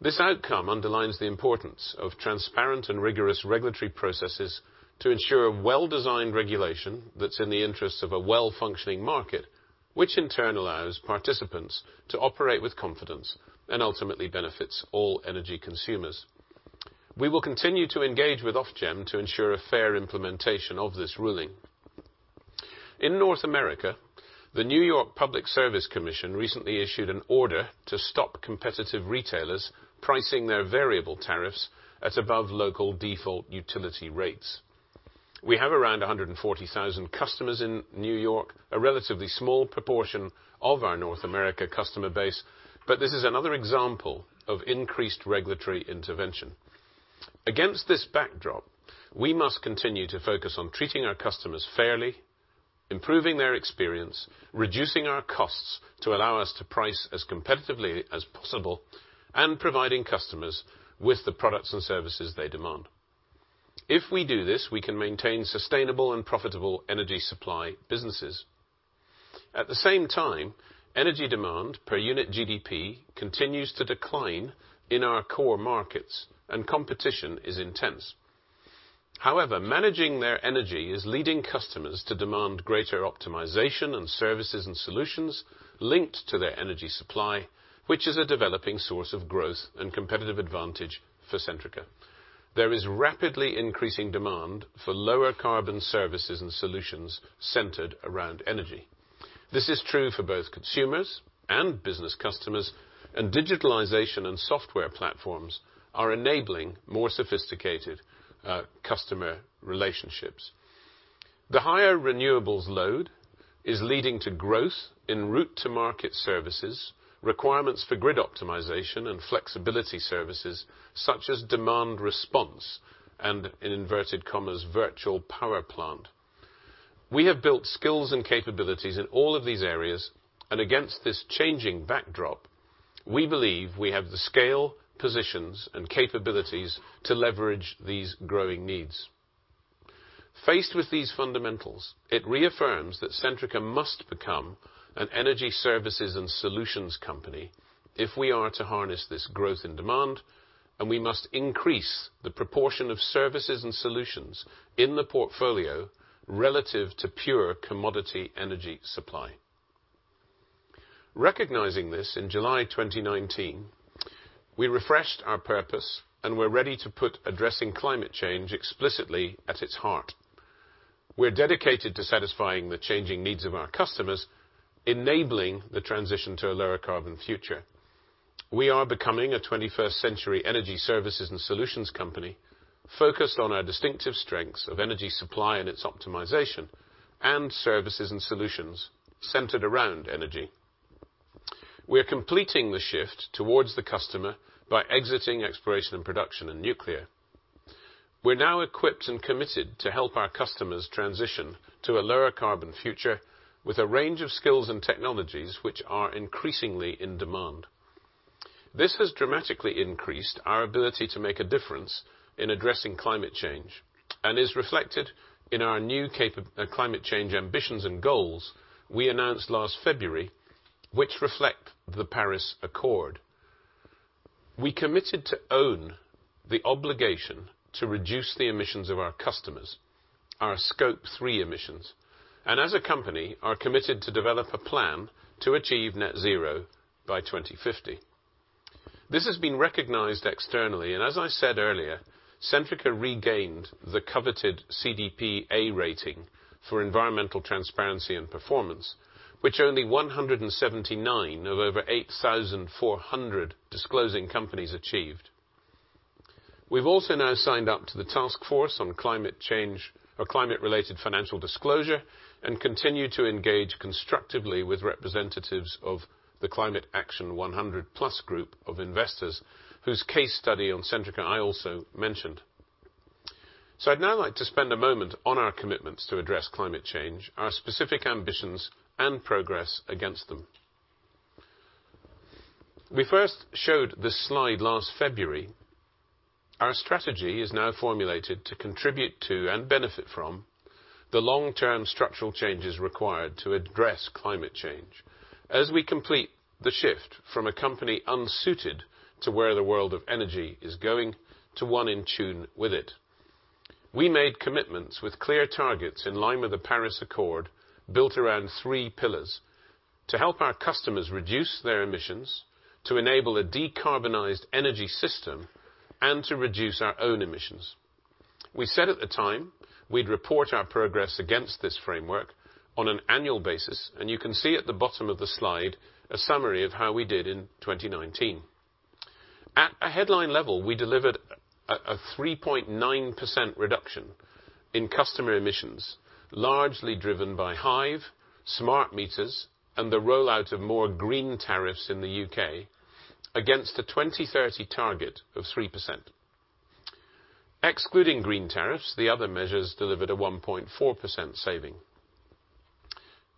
This outcome underlines the importance of transparent and rigorous regulatory processes to ensure well-designed regulation that's in the interests of a well-functioning market, which in turn allows participants to operate with confidence and ultimately benefits all energy consumers. We will continue to engage with Ofgem to ensure a fair implementation of this ruling. In North America, the New York Public Service Commission recently issued an order to stop competitive retailers pricing their variable tariffs at above local default utility rates. We have around 140,000 customers in New York, a relatively small proportion of our North America customer base, but this is another example of increased regulatory intervention. Against this backdrop, we must continue to focus on treating our customers fairly, improving their experience, reducing our costs to allow us to price as competitively as possible, and providing customers with the products and services they demand. If we do this, we can maintain sustainable and profitable energy supply businesses. At the same time, energy demand per unit GDP continues to decline in our core markets and competition is intense. However, managing their energy is leading customers to demand greater optimization and services and solutions linked to their energy supply, which is a developing source of growth and competitive advantage for Centrica. There is rapidly increasing demand for lower carbon services and solutions centered around energy. This is true for both consumers and business customers, and digitalization and software platforms are enabling more sophisticated customer relationships. The higher renewables load is leading to growth in route to market services, requirements for grid optimization and flexibility services, such as demand response, and, in inverted commas, "virtual power plant." We have built skills and capabilities in all of these areas, and against this changing backdrop, we believe we have the scale, positions, and capabilities to leverage these growing needs. Faced with these fundamentals, it reaffirms that Centrica must become an energy services and solutions company if we are to harness this growth in demand, and we must increase the proportion of services and solutions in the portfolio relative to pure commodity energy supply. Recognizing this in July 2019, we refreshed our purpose and we're ready to put addressing climate change explicitly at its heart. We're dedicated to satisfying the changing needs of our customers, enabling the transition to a lower carbon future. We are becoming a 21st century energy services and solutions company focused on our distinctive strengths of energy supply and its optimization and services and solutions centered around energy. We are completing the shift towards the customer by exiting Exploration and Production and nuclear. We're now equipped and committed to help our customers transition to a lower carbon future with a range of skills and technologies which are increasingly in demand. This has dramatically increased our ability to make a difference in addressing climate change and is reflected in our new climate change ambitions and goals we announced last February, which reflect the Paris Agreement. We committed to own the obligation to reduce the emissions of our customers, our Scope 3 emissions, and as a company are committed to develop a plan to achieve net zero by 2050. This has been recognized externally, and as I said earlier, Centrica regained the coveted CDP A rating for environmental transparency and performance, which only 179 of over 8,400 disclosing companies achieved. We've also now signed up to the Task Force on Climate-related Financial Disclosures and continue to engage constructively with representatives of the Climate Action 100+ group of investors whose case study on Centrica I also mentioned. I'd now like to spend a moment on our commitments to address climate change, our specific ambitions, and progress against them. We first showed this slide last February. Our strategy is now formulated to contribute to and benefit from the long-term structural changes required to address climate change as we complete the shift from a company unsuited to where the world of energy is going to one in tune with it. We made commitments with clear targets in line with the Paris Agreement built around three pillars to help our customers reduce their emissions, to enable a decarbonized energy system, and to reduce our own emissions. We said at the time we'd report our progress against this framework on an annual basis. You can see at the bottom of the slide a summary of how we did in 2019. At a headline level, we delivered a 3.9% reduction in customer emissions, largely driven by Hive, smart meters, and the rollout of more green tariffs in the U.K. against a 2030 target of 3%. Excluding green tariffs, the other measures delivered a 1.4% saving.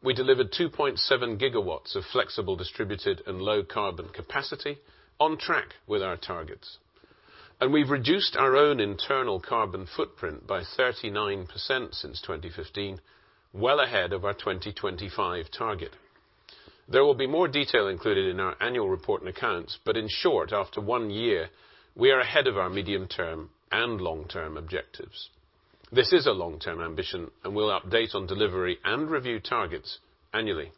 We delivered 2.7 GW of flexible distributed and low carbon capacity on track with our targets. We've reduced our own internal carbon footprint by 39% since 2015, well ahead of our 2025 target. There will be more detail included in our annual report and accounts, but in short, after one year, we are ahead of our medium-term and long-term objectives. This is a long-term ambition. We'll update on delivery and review targets annually.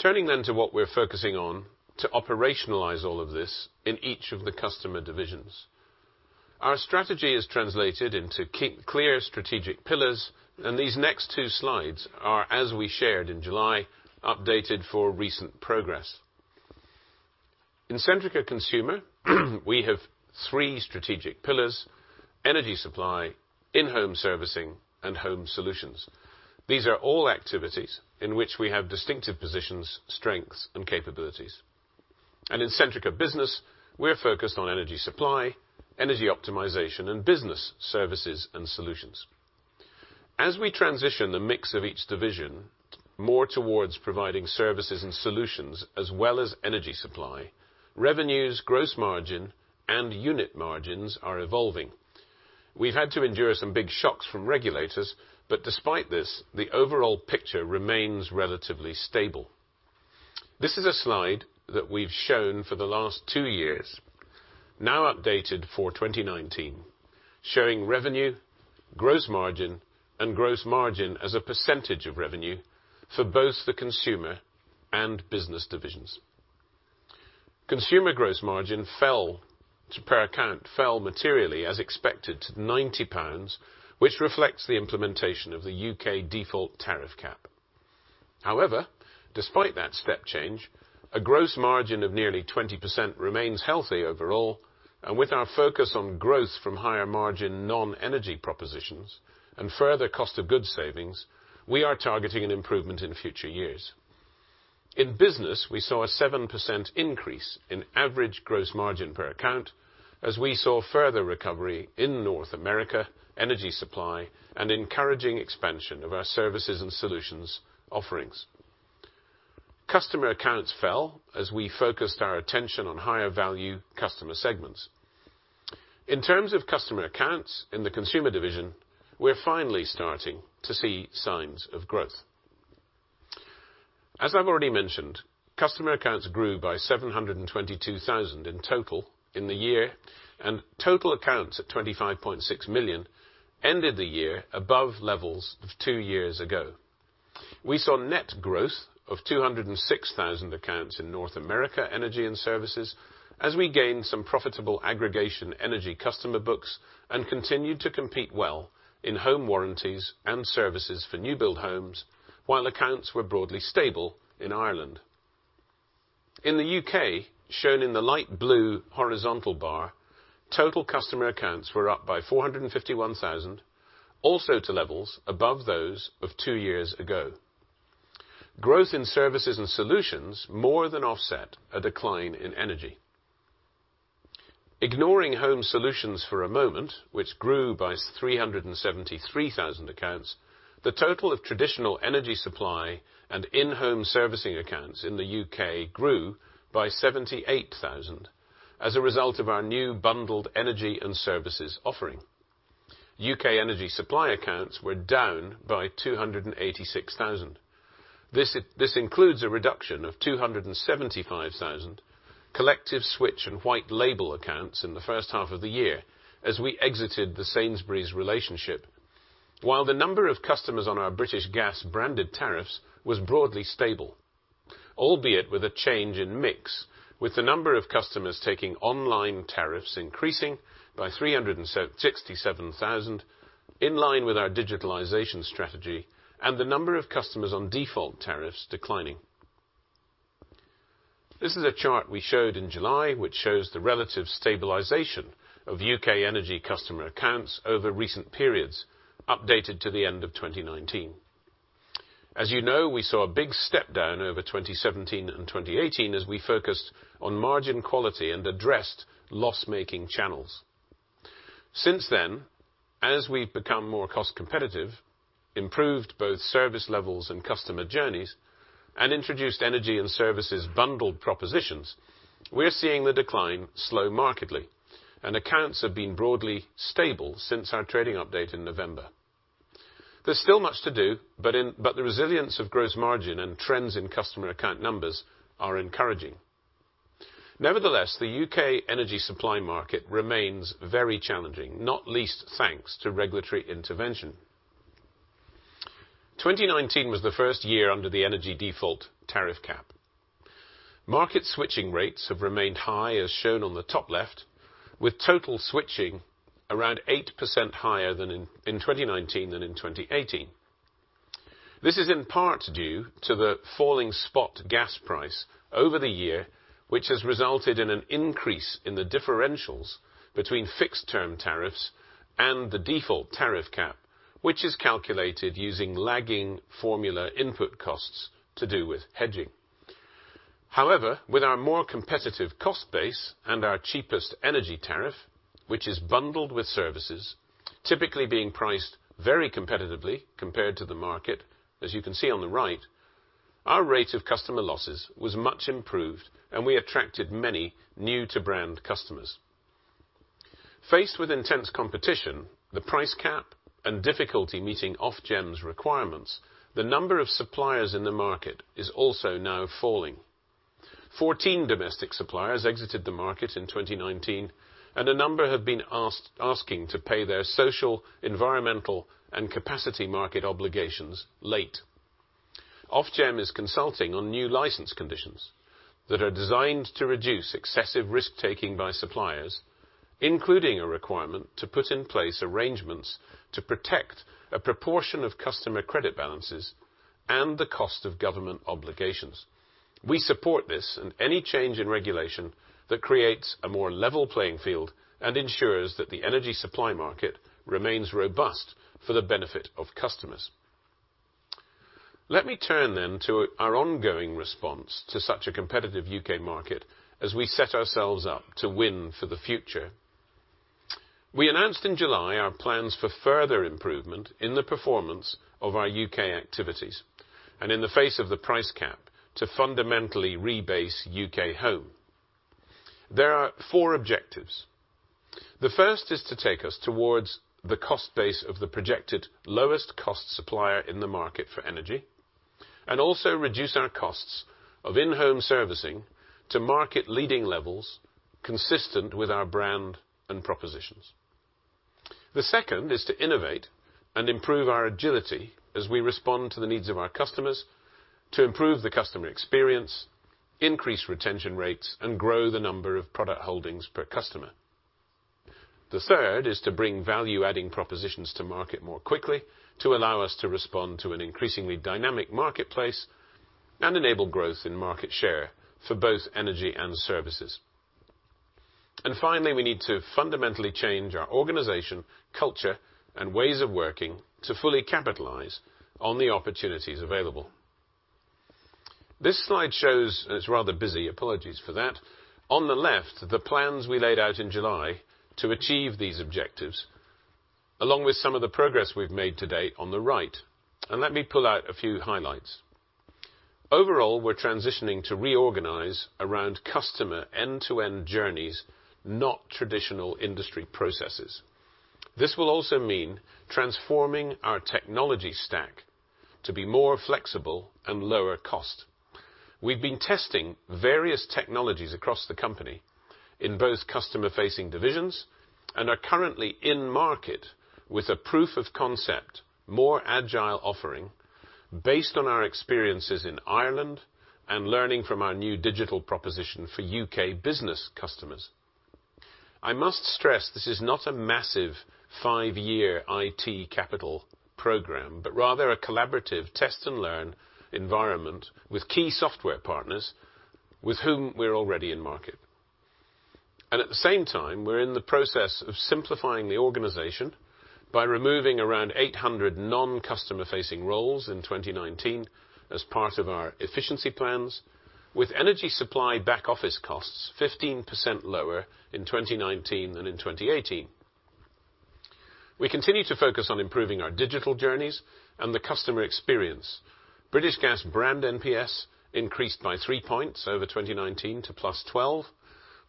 Turning to what we're focusing on to operationalize all of this in each of the customer divisions. Our strategy is translated into clear strategic pillars. These next two slides are, as we shared in July, updated for recent progress. In Centrica Consumer, we have three strategic pillars, energy supply, in-home servicing, and home solutions. These are all activities in which we have distinctive positions, strengths, and capabilities. In Centrica Business, we're focused on energy supply, energy optimization, and business services and solutions. As we transition the mix of each division more towards providing services and solutions as well as energy supply, revenues, gross margin, and unit margins are evolving. We've had to endure some big shocks from regulators. Despite this, the overall picture remains relatively stable. This is a slide that we've shown for the last two years, now updated for 2019, showing revenue, gross margin, and gross margin as a percentage of revenue for both the consumer and business divisions. Consumer gross margin per account fell materially as expected to 90 pounds, which reflects the implementation of the U.K. default tariff cap. Despite that step change, a gross margin of nearly 20% remains healthy overall, and with our focus on growth from higher margin non-energy propositions and further cost of goods savings, we are targeting an improvement in future years. In business, we saw a 7% increase in average gross margin per account as we saw further recovery in North America, energy supply, and encouraging expansion of our services and solutions offerings. Customer accounts fell as we focused our attention on higher value customer segments. In terms of customer accounts in the Consumer division, we're finally starting to see signs of growth. As I've already mentioned, customer accounts grew by 722,000 in total in the year. Total accounts at 25.6 million ended the year above levels of two years ago. We saw net growth of 206,000 accounts in North America Energy and Services as we gained some profitable aggregation energy customer books and continued to compete well in home warranties and services for new build homes, while accounts were broadly stable in Ireland. In the U.K., shown in the light blue horizontal bar, total customer accounts were up by 451,000, also to levels above those of two years ago. Growth in services and solutions more than offset a decline in energy. Ignoring home solutions for a moment, which grew by 373,000 accounts, the total of traditional energy supply and in-home servicing accounts in the U.K. grew by 78,000 as a result of our new bundled energy and services offering. U.K. energy supply accounts were down by 286,000. This includes a reduction of 275,000 collective switch and white label accounts in the first half of the year as we exited the Sainsbury's relationship. While the number of customers on our British Gas-branded tariffs was broadly stable, albeit with a change in mix, with the number of customers taking online tariffs increasing by 367,000 in line with our digitalization strategy and the number of customers on default tariffs declining. This is a chart we showed in July, which shows the relative stabilization of U.K. energy customer accounts over recent periods, updated to the end of 2019. As you know, we saw a big step down over 2017 and 2018 as we focused on margin quality and addressed loss-making channels. Since then, as we've become more cost competitive, improved both service levels and customer journeys, and introduced energy and services bundled propositions, we are seeing the decline slow markedly, and accounts have been broadly stable since our trading update in November. There's still much to do, but the resilience of gross margin and trends in customer account numbers are encouraging. Nevertheless, the U.K. energy supply market remains very challenging, not least thanks to regulatory intervention. 2019 was the first year under the energy default tariff cap. Market switching rates have remained high, as shown on the top left, with total switching around 8% higher in 2019 than in 2018. This is in part due to the falling spot gas price over the year, which has resulted in an increase in the differentials between fixed-term tariffs and the default tariff cap, which is calculated using lagging formula input costs to do with hedging. However, with our more competitive cost base and our cheapest energy tariff, which is bundled with services, typically being priced very competitively compared to the market, as you can see on the right, our rate of customer losses was much improved, and we attracted many new-to-brand customers. Faced with intense competition, the price cap, and difficulty meeting Ofgem's requirements, the number of suppliers in the market is also now falling. 14 domestic suppliers exited the market in 2019, and a number have been asking to pay their social, environmental, and capacity market obligations late. Ofgem is consulting on new license conditions that are designed to reduce excessive risk-taking by suppliers, including a requirement to put in place arrangements to protect a proportion of customer credit balances and the cost of government obligations. We support this and any change in regulation that creates a more level playing field and ensures that the energy supply market remains robust for the benefit of customers. Let me turn to our ongoing response to such a competitive U.K. market as we set ourselves up to win for the future. We announced in July our plans for further improvement in the performance of our U.K. activities, and in the face of the price cap, to fundamentally rebase UK Home. There are four objectives. The first is to take us towards the cost base of the projected lowest cost supplier in the market for energy, and also reduce our costs of in-home servicing to market leading levels consistent with our brand and propositions. The second is to innovate and improve our agility as we respond to the needs of our customers, to improve the customer experience, increase retention rates, and grow the number of product holdings per customer. The third is to bring value-adding propositions to market more quickly to allow us to respond to an increasingly dynamic marketplace and enable growth in market share for both energy and services. Finally, we need to fundamentally change our organization, culture and ways of working to fully capitalize on the opportunities available. This slide shows, and it's rather busy, apologies for that, on the left, the plans we laid out in July to achieve these objectives, along with some of the progress we've made to date on the right, and let me pull out a few highlights. Overall, we're transitioning to reorganize around customer end-to-end journeys, not traditional industry processes. This will also mean transforming our technology stack to be more flexible and lower cost. We've been testing various technologies across the company in both customer-facing divisions and are currently in market with a proof of concept, more agile offering based on our experiences in Ireland and learning from our new digital proposition for U.K. business customers. I must stress this is not a massive five-year IT capital program, but rather a collaborative test-and-learn environment with key software partners with whom we're already in market. At the same time, we're in the process of simplifying the organization by removing around 800 non-customer-facing roles in 2019 as part of our efficiency plans with energy supply back-office costs 15% lower in 2019 than in 2018. We continue to focus on improving our digital journeys and the customer experience. British Gas brand NPS increased by three points over 2019 to +12%,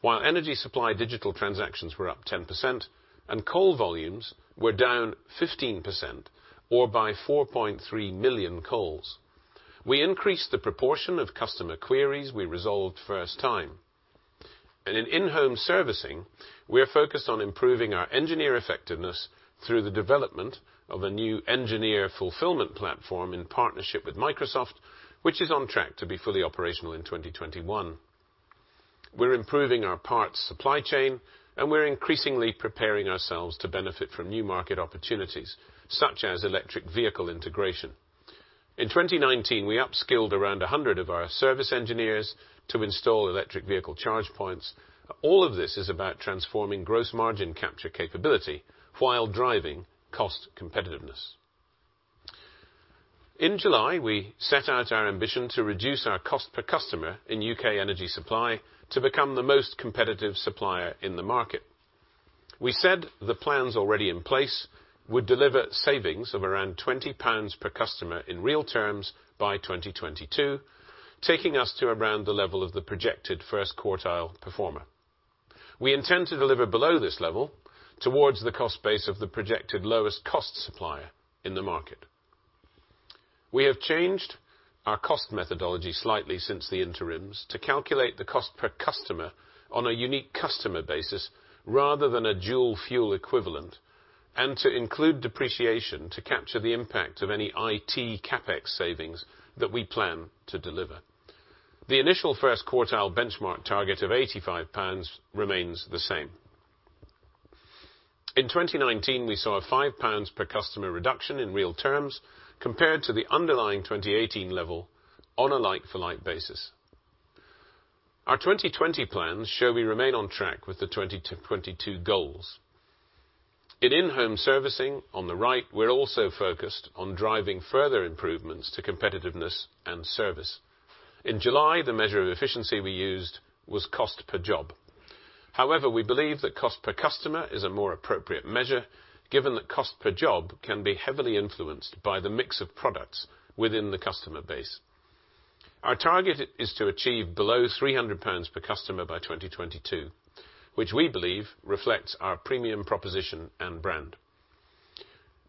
while energy supply digital transactions were up 10% and call volumes were down 15%, or by 4.3 million calls. We increased the proportion of customer queries we resolved first time. In in-home servicing, we are focused on improving our engineer effectiveness through the development of a new engineer fulfillment platform in partnership with Microsoft, which is on track to be fully operational in 2021. We're improving our parts supply chain, and we're increasingly preparing ourselves to benefit from new market opportunities, such as electric vehicle integration. In 2019, we upskilled around a hundred of our service engineers to install electric vehicle charge points. All of this is about transforming gross margin capture capability while driving cost competitiveness. In July, we set out our ambition to reduce our cost per customer in U.K. energy supply to become the most competitive supplier in the market. We said the plans already in place would deliver savings of around 20 pounds per customer in real terms by 2022, taking us to around the level of the projected first quartile performer. We intend to deliver below this level towards the cost base of the projected lowest cost supplier in the market. We have changed our cost methodology slightly since the interims to calculate the cost per customer on a unique customer basis rather than a dual fuel equivalent, and to include depreciation to capture the impact of any IT CapEx savings that we plan to deliver. The initial first quartile benchmark target of 85 pounds remains the same. In 2019, we saw a 5 pounds per customer reduction in real terms compared to the underlying 2018 level on a like-for-like basis. Our 2020 plans show we remain on track with the 2022 goals. In in-home servicing, on the right, we're also focused on driving further improvements to competitiveness and service. In July, the measure of efficiency we used was cost per job. We believe that cost per customer is a more appropriate measure, given that cost per job can be heavily influenced by the mix of products within the customer base. Our target is to achieve below 300 pounds per customer by 2022, which we believe reflects our premium proposition and brand.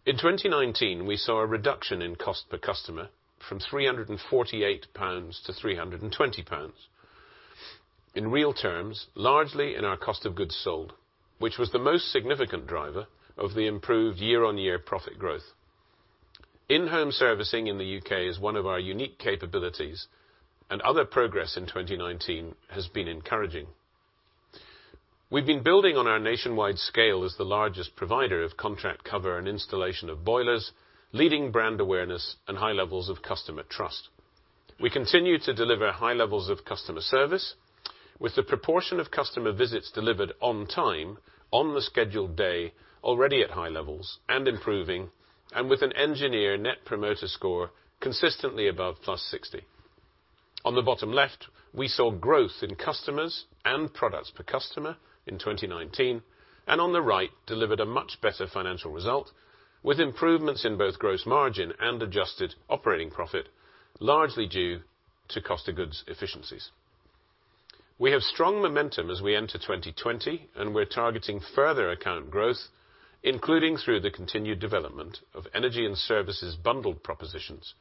In 2019, we saw a reduction in cost per customer from 348 pounds to 320 pounds in real terms, largely in our cost of goods sold, which was the most significant driver of the improved year-on-year profit growth. In-home servicing in the U.K. is one of our unique capabilities. Other progress in 2019 has been encouraging. We've been building on our nationwide scale as the largest provider of contract cover and installation of boilers, leading brand awareness, and high levels of customer trust. We continue to deliver high levels of customer service with the proportion of customer visits delivered on time, on the scheduled day, already at high levels and improving, and with an engineer Net Promoter Score consistently above +60. On the bottom left, we saw growth in customers and products per customer in 2019, and on the right, delivered a much better financial result, with improvements in both gross margin and adjusted operating profit, largely due to cost of goods efficiencies. We have strong momentum as we enter 2020, and we're targeting further account growth, including through the continued development of energy and services bundled propositions,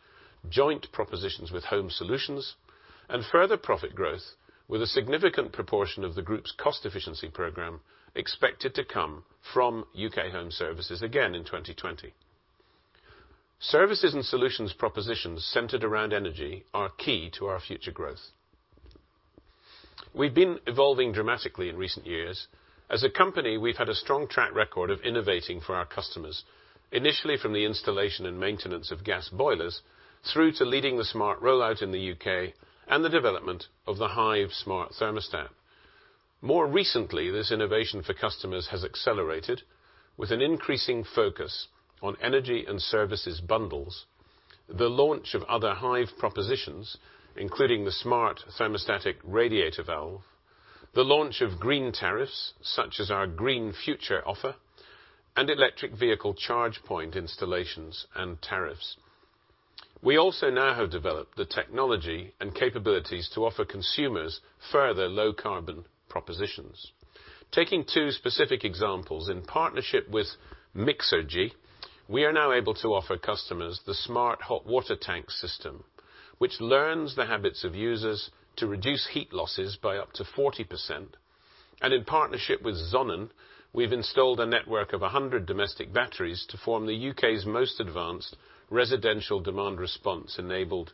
joint propositions with Home Solutions, and further profit growth with a significant proportion of the group's cost efficiency program expected to come from UK Home Services again in 2020. Services and solutions propositions centered around energy are key to our future growth. We've been evolving dramatically in recent years. As a company, we've had a strong track record of innovating for our customers, initially from the installation and maintenance of gas boilers, through to leading the smart rollout in the U.K., and the development of the Hive smart thermostat. More recently, this innovation for customers has accelerated with an increasing focus on energy and services bundles, the launch of other Hive propositions, including the smart thermostatic radiator valve, the launch of green tariffs, such as our Green Future offer, and electric vehicle charge point installations and tariffs. We also now have developed the technology and capabilities to offer consumers further low-carbon propositions. Taking two specific examples, in partnership with Mixergy, we are now able to offer customers the smart hot water tank system, which learns the habits of users to reduce heat losses by up to 40%. In partnership with sonnen, we've installed a network of 100 domestic batteries to form the U.K.'s most advanced residential demand response-enabled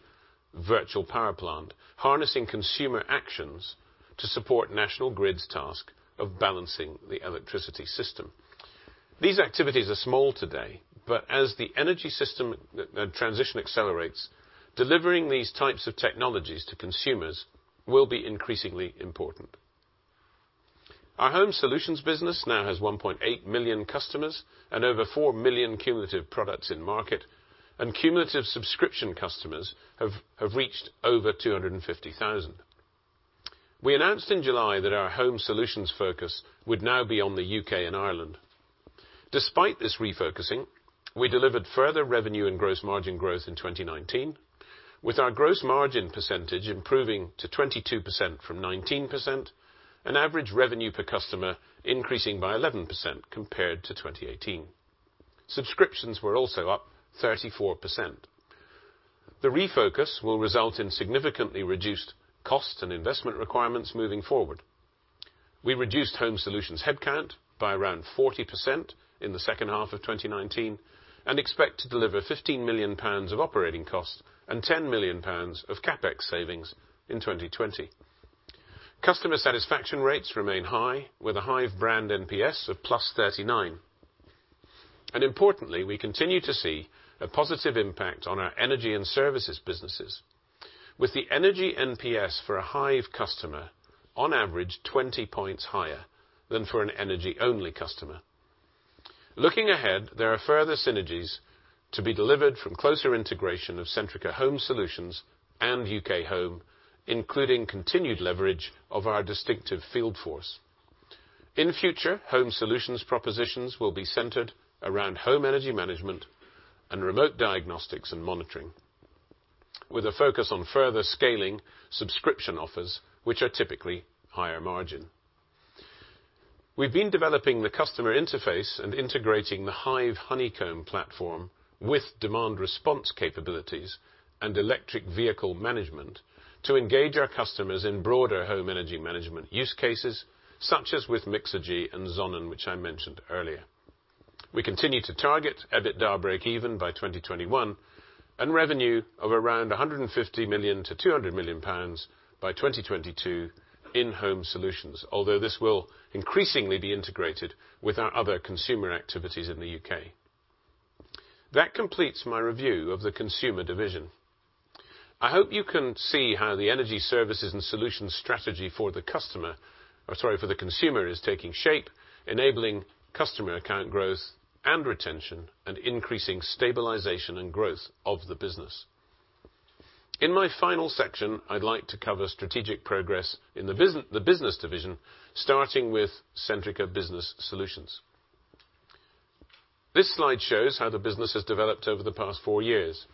virtual power plant, harnessing consumer actions to support National Grid's task of balancing the electricity system. As the energy system transition accelerates, delivering these types of technologies to consumers will be increasingly important. Our Home Solutions business now has 1.8 million customers and over 4 million cumulative products in market, and cumulative subscription customers have reached over 250,000. We announced in July that our Home Solutions focus would now be on the U.K. and Ireland. Despite this refocusing, we delivered further revenue and gross margin growth in 2019, with our gross margin percentage improving to 22% from 19%, and average revenue per customer increasing by 11% compared to 2018. Subscriptions were also up 34%. The refocus will result in significantly reduced costs and investment requirements moving forward. We reduced Home Solutions headcount by around 40% in the second half of 2019, and expect to deliver 15 million pounds of operating costs and 10 million pounds of CapEx savings in 2020. Customer satisfaction rates remain high, with a Hive brand NPS of +39. Importantly, we continue to see a positive impact on our energy and services businesses. With the energy NPS for a Hive customer, on average 20 points higher than for an energy-only customer. Looking ahead, there are further synergies to be delivered from closer integration of Centrica Home Solutions and UK Home, including continued leverage of our distinctive field force. In future, Home Solutions propositions will be centered around home energy management and remote diagnostics and monitoring with a focus on further scaling subscription offers, which are typically higher margin. We've been developing the customer interface and integrating the Hive Honeycomb platform with demand response capabilities and electric vehicle management to engage our customers in broader home energy management use cases, such as with Mixergy and sonnen, which I mentioned earlier. We continue to target EBITDA breakeven by 2021, and revenue of around 150 million-200 million pounds by 2022 in Home Solutions. This will increasingly be integrated with our other consumer activities in the U.K. That completes my review of the consumer division. I hope you can see how the energy services and solutions strategy for the consumer is taking shape, enabling customer account growth and retention, and increasing stabilization and growth of the business. In my final section, I'd like to cover strategic progress in the business division, starting with Centrica Business Solutions. This slide shows how the business has developed over the past four years.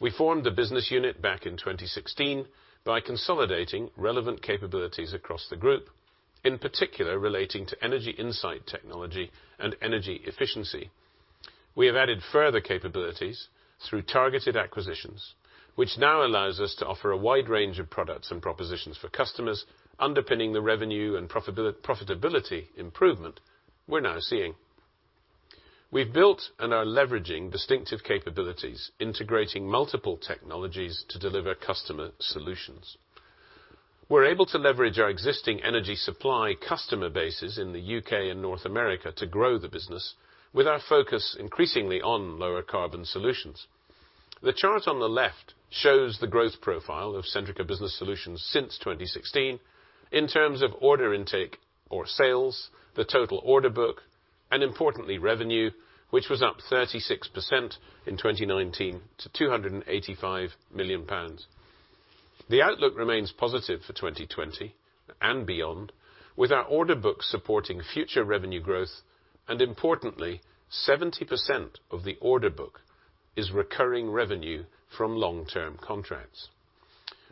We formed the business unit back in 2016 by consolidating relevant capabilities across the group, in particular relating to energy insight technology and energy efficiency. We have added further capabilities through targeted acquisitions, which now allows us to offer a wide range of products and propositions for customers underpinning the revenue and profitability improvement we're now seeing. We've built and are leveraging distinctive capabilities, integrating multiple technologies to deliver customer solutions. We're able to leverage our existing energy supply customer bases in the U.K. and North America to grow the business, with our focus increasingly on lower carbon solutions. The chart on the left shows the growth profile of Centrica Business Solutions since 2016 in terms of order intake or sales, the total order book, and importantly, revenue, which was up 36% in 2019 to 285 million pounds. The outlook remains positive for 2020 and beyond, with our order book supporting future revenue growth, and importantly, 70% of the order book is recurring revenue from long-term contracts.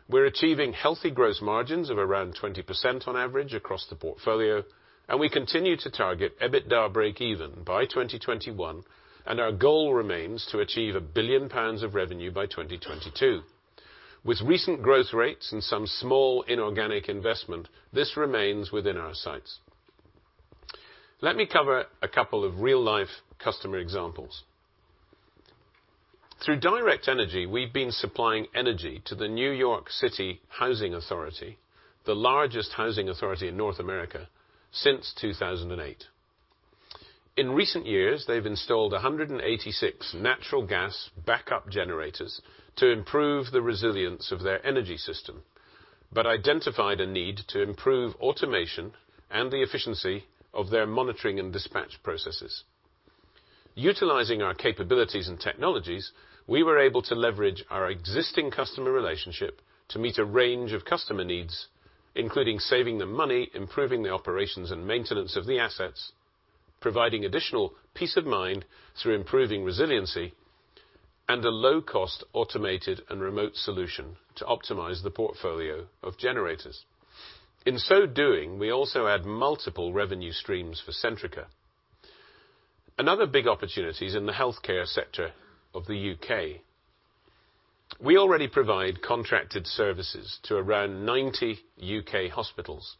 We're achieving healthy gross margins of around 20% on average across the portfolio, and we continue to target EBITDA breakeven by 2021, and our goal remains to achieve 1 billion pounds of revenue by 2022. With recent growth rates and some small inorganic investment, this remains within our sights. Let me cover a couple of real-life customer examples. Through Direct Energy, we've been supplying energy to the New York City Housing Authority, the largest housing authority in North America, since 2008. In recent years, they've installed 186 natural gas backup generators to improve the resilience of their energy system, but identified a need to improve automation and the efficiency of their monitoring and dispatch processes. Utilizing our capabilities and technologies, we were able to leverage our existing customer relationship to meet a range of customer needs, including saving them money, improving the operations and maintenance of the assets, providing additional peace of mind through improving resiliency, and a low-cost automated and remote solution to optimize the portfolio of generators. In so doing, we also add multiple revenue streams for Centrica. Another big opportunity is in the healthcare sector of the U.K. We already provide contracted services to around 90 U.K. hospitals,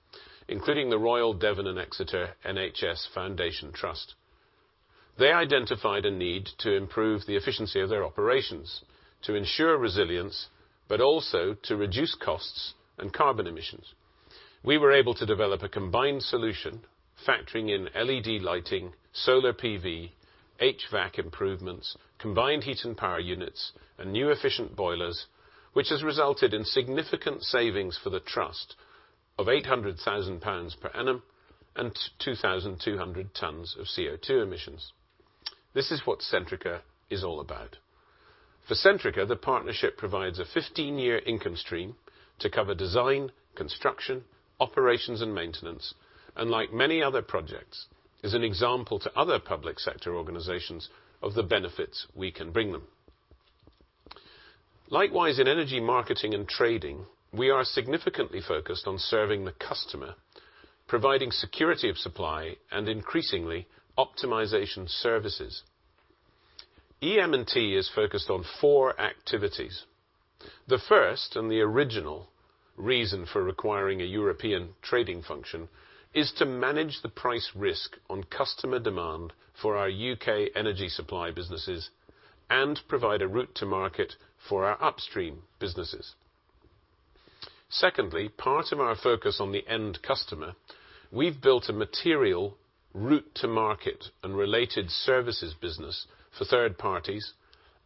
including the Royal Devon and Exeter NHS Foundation Trust. They identified a need to improve the efficiency of their operations to ensure resilience, but also to reduce costs and carbon emissions. We were able to develop a combined solution factoring in LED lighting, solar PV, HVAC improvements, combined heat and power units, and new efficient boilers, which has resulted in significant savings for the trust of 800,000 pounds per annum and 2,200 tons of CO₂ emissions. This is what Centrica is all about. For Centrica, the partnership provides a 15-year income stream to cover design, construction, operations, and maintenance, and like many other projects, is an example to other public sector organizations of the benefits we can bring them. Likewise, in Energy Marketing and tTrading, we are significantly focused on serving the customer, providing security of supply, and increasingly, optimization services. EM&T is focused on four activities. The first and the original reason for requiring a European trading function is to manage the price risk on customer demand for our U.K. energy supply businesses and provide a route to market for our upstream businesses. Secondly, part of our focus on the end customer, we've built a material route to market and related services business for third parties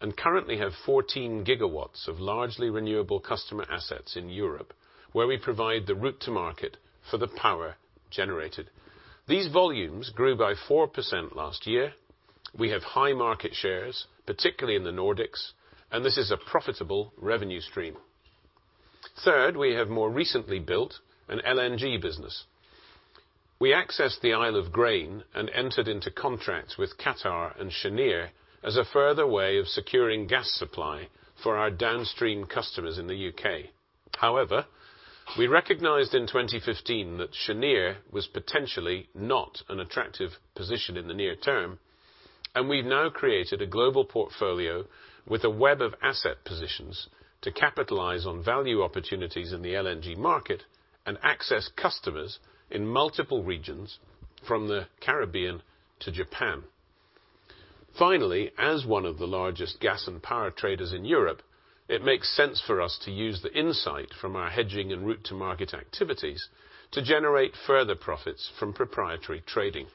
and currently have 14 gigawatts of largely renewable customer assets in Europe, where we provide the route to market for the power generated. These volumes grew by 4% last year. We have high market shares, particularly in the Nordics, and this is a profitable revenue stream. Third, we have more recently built an LNG business. We accessed the Isle of Grain and entered into contracts with Qatar and Cheniere as a further way of securing gas supply for our downstream customers in the U.K. We recognized in 2015 that Cheniere was potentially not an attractive position in the near term, and we've now created a global portfolio with a web of asset positions to capitalize on value opportunities in the LNG market and access customers in multiple regions from the Caribbean to Japan. As one of the largest gas and power traders in Europe, it makes sense for us to use the insight from our hedging and route to market activities to generate further profits from proprietary trading.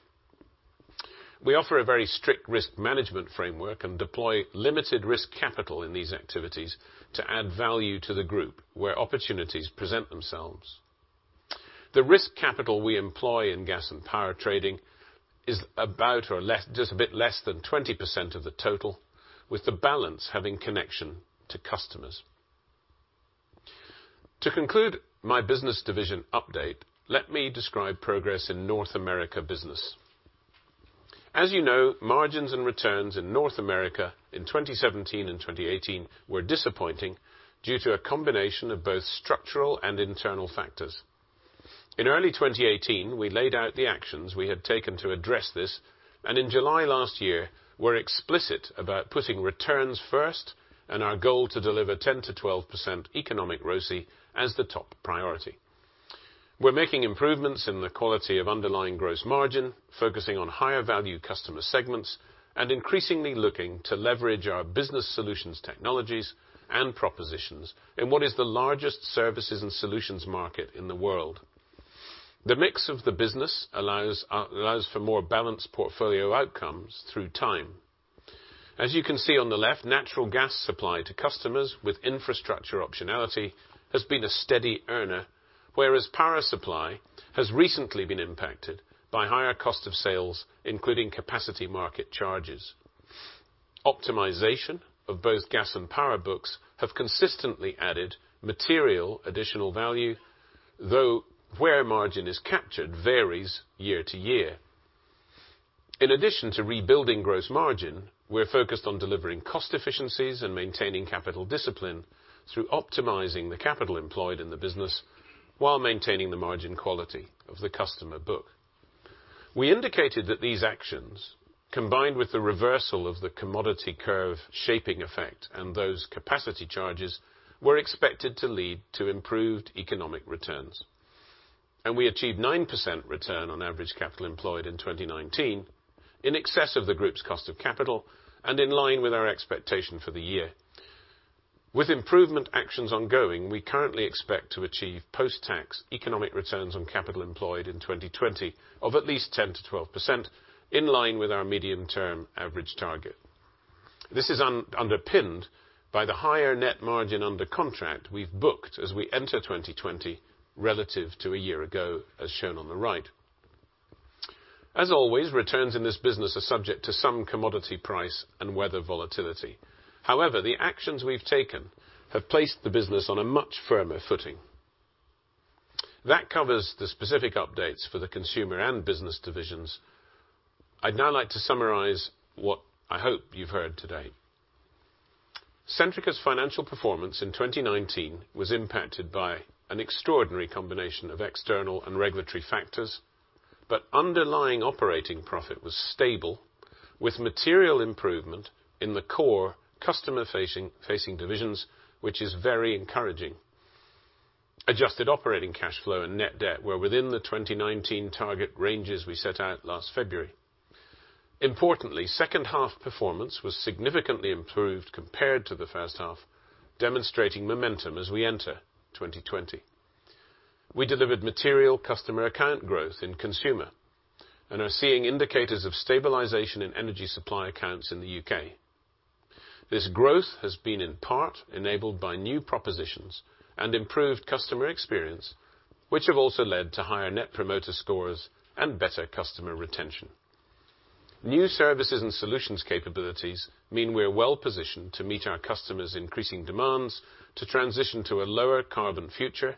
We offer a very strict risk management framework and deploy limited risk capital in these activities to add value to the group where opportunities present themselves. The risk capital we employ in gas and power trading is about or just a bit less than 20% of the total, with the balance having connection to customers. To conclude my North America Business update, let me describe progress in North America Business. As you know, margins and returns in North America in 2017 and 2018 were disappointing due to a combination of both structural and internal factors. In early 2018, we laid out the actions we had taken to address this, and in July last year, were explicit about putting returns first and our goal to deliver 10%-12% economic ROCE as the top priority. We're making improvements in the quality of underlying gross margin, focusing on higher value customer segments, and increasingly looking to leverage our business solutions technologies and propositions in what is the largest services and solutions market in the world. The mix of the business allows for more balanced portfolio outcomes through time. As you can see on the left, natural gas supply to customers with infrastructure optionality has been a steady earner, whereas power supply has recently been impacted by higher costs of sales, including capacity market charges. Optimization of both gas and power books have consistently added material additional value, though where margin is captured varies year to year. In addition to rebuilding gross margin, we're focused on delivering cost efficiencies and maintaining capital discipline through optimizing the capital employed in the business while maintaining the margin quality of the customer book. We indicated that these actions, combined with the reversal of the commodity curve shaping effect and those capacity charges, were expected to lead to improved economic returns. We achieved 9% return on average capital employed in 2019, in excess of the group's cost of capital and in line with our expectation for the year. With improvement actions ongoing, we currently expect to achieve post-tax economic returns on capital employed in 2020 of at least 10%-12%, in line with our medium-term average target. This is underpinned by the higher net margin under contract we've booked as we enter 2020 relative to a year ago, as shown on the right. As always, returns in this business are subject to some commodity price and weather volatility. However, the actions we've taken have placed the business on a much firmer footing. That covers the specific updates for the Consumer and Business divisions. I'd now like to summarize what I hope you've heard today. Centrica's financial performance in 2019 was impacted by an extraordinary combination of external and regulatory factors, but underlying operating profit was stable, with material improvement in the core customer-facing divisions, which is very encouraging. Adjusted operating cash flow and net debt were within the 2019 target ranges we set out last February. Importantly, second half performance was significantly improved compared to the first half, demonstrating momentum as we enter 2020. We delivered material customer account growth in Consumer and are seeing indicators of stabilization in energy supply accounts in the U.K. This growth has been in part enabled by new propositions and improved customer experience, which have also led to higher net promoter scores and better customer retention. New services and solutions capabilities mean we are well-positioned to meet our customers' increasing demands to transition to a lower carbon future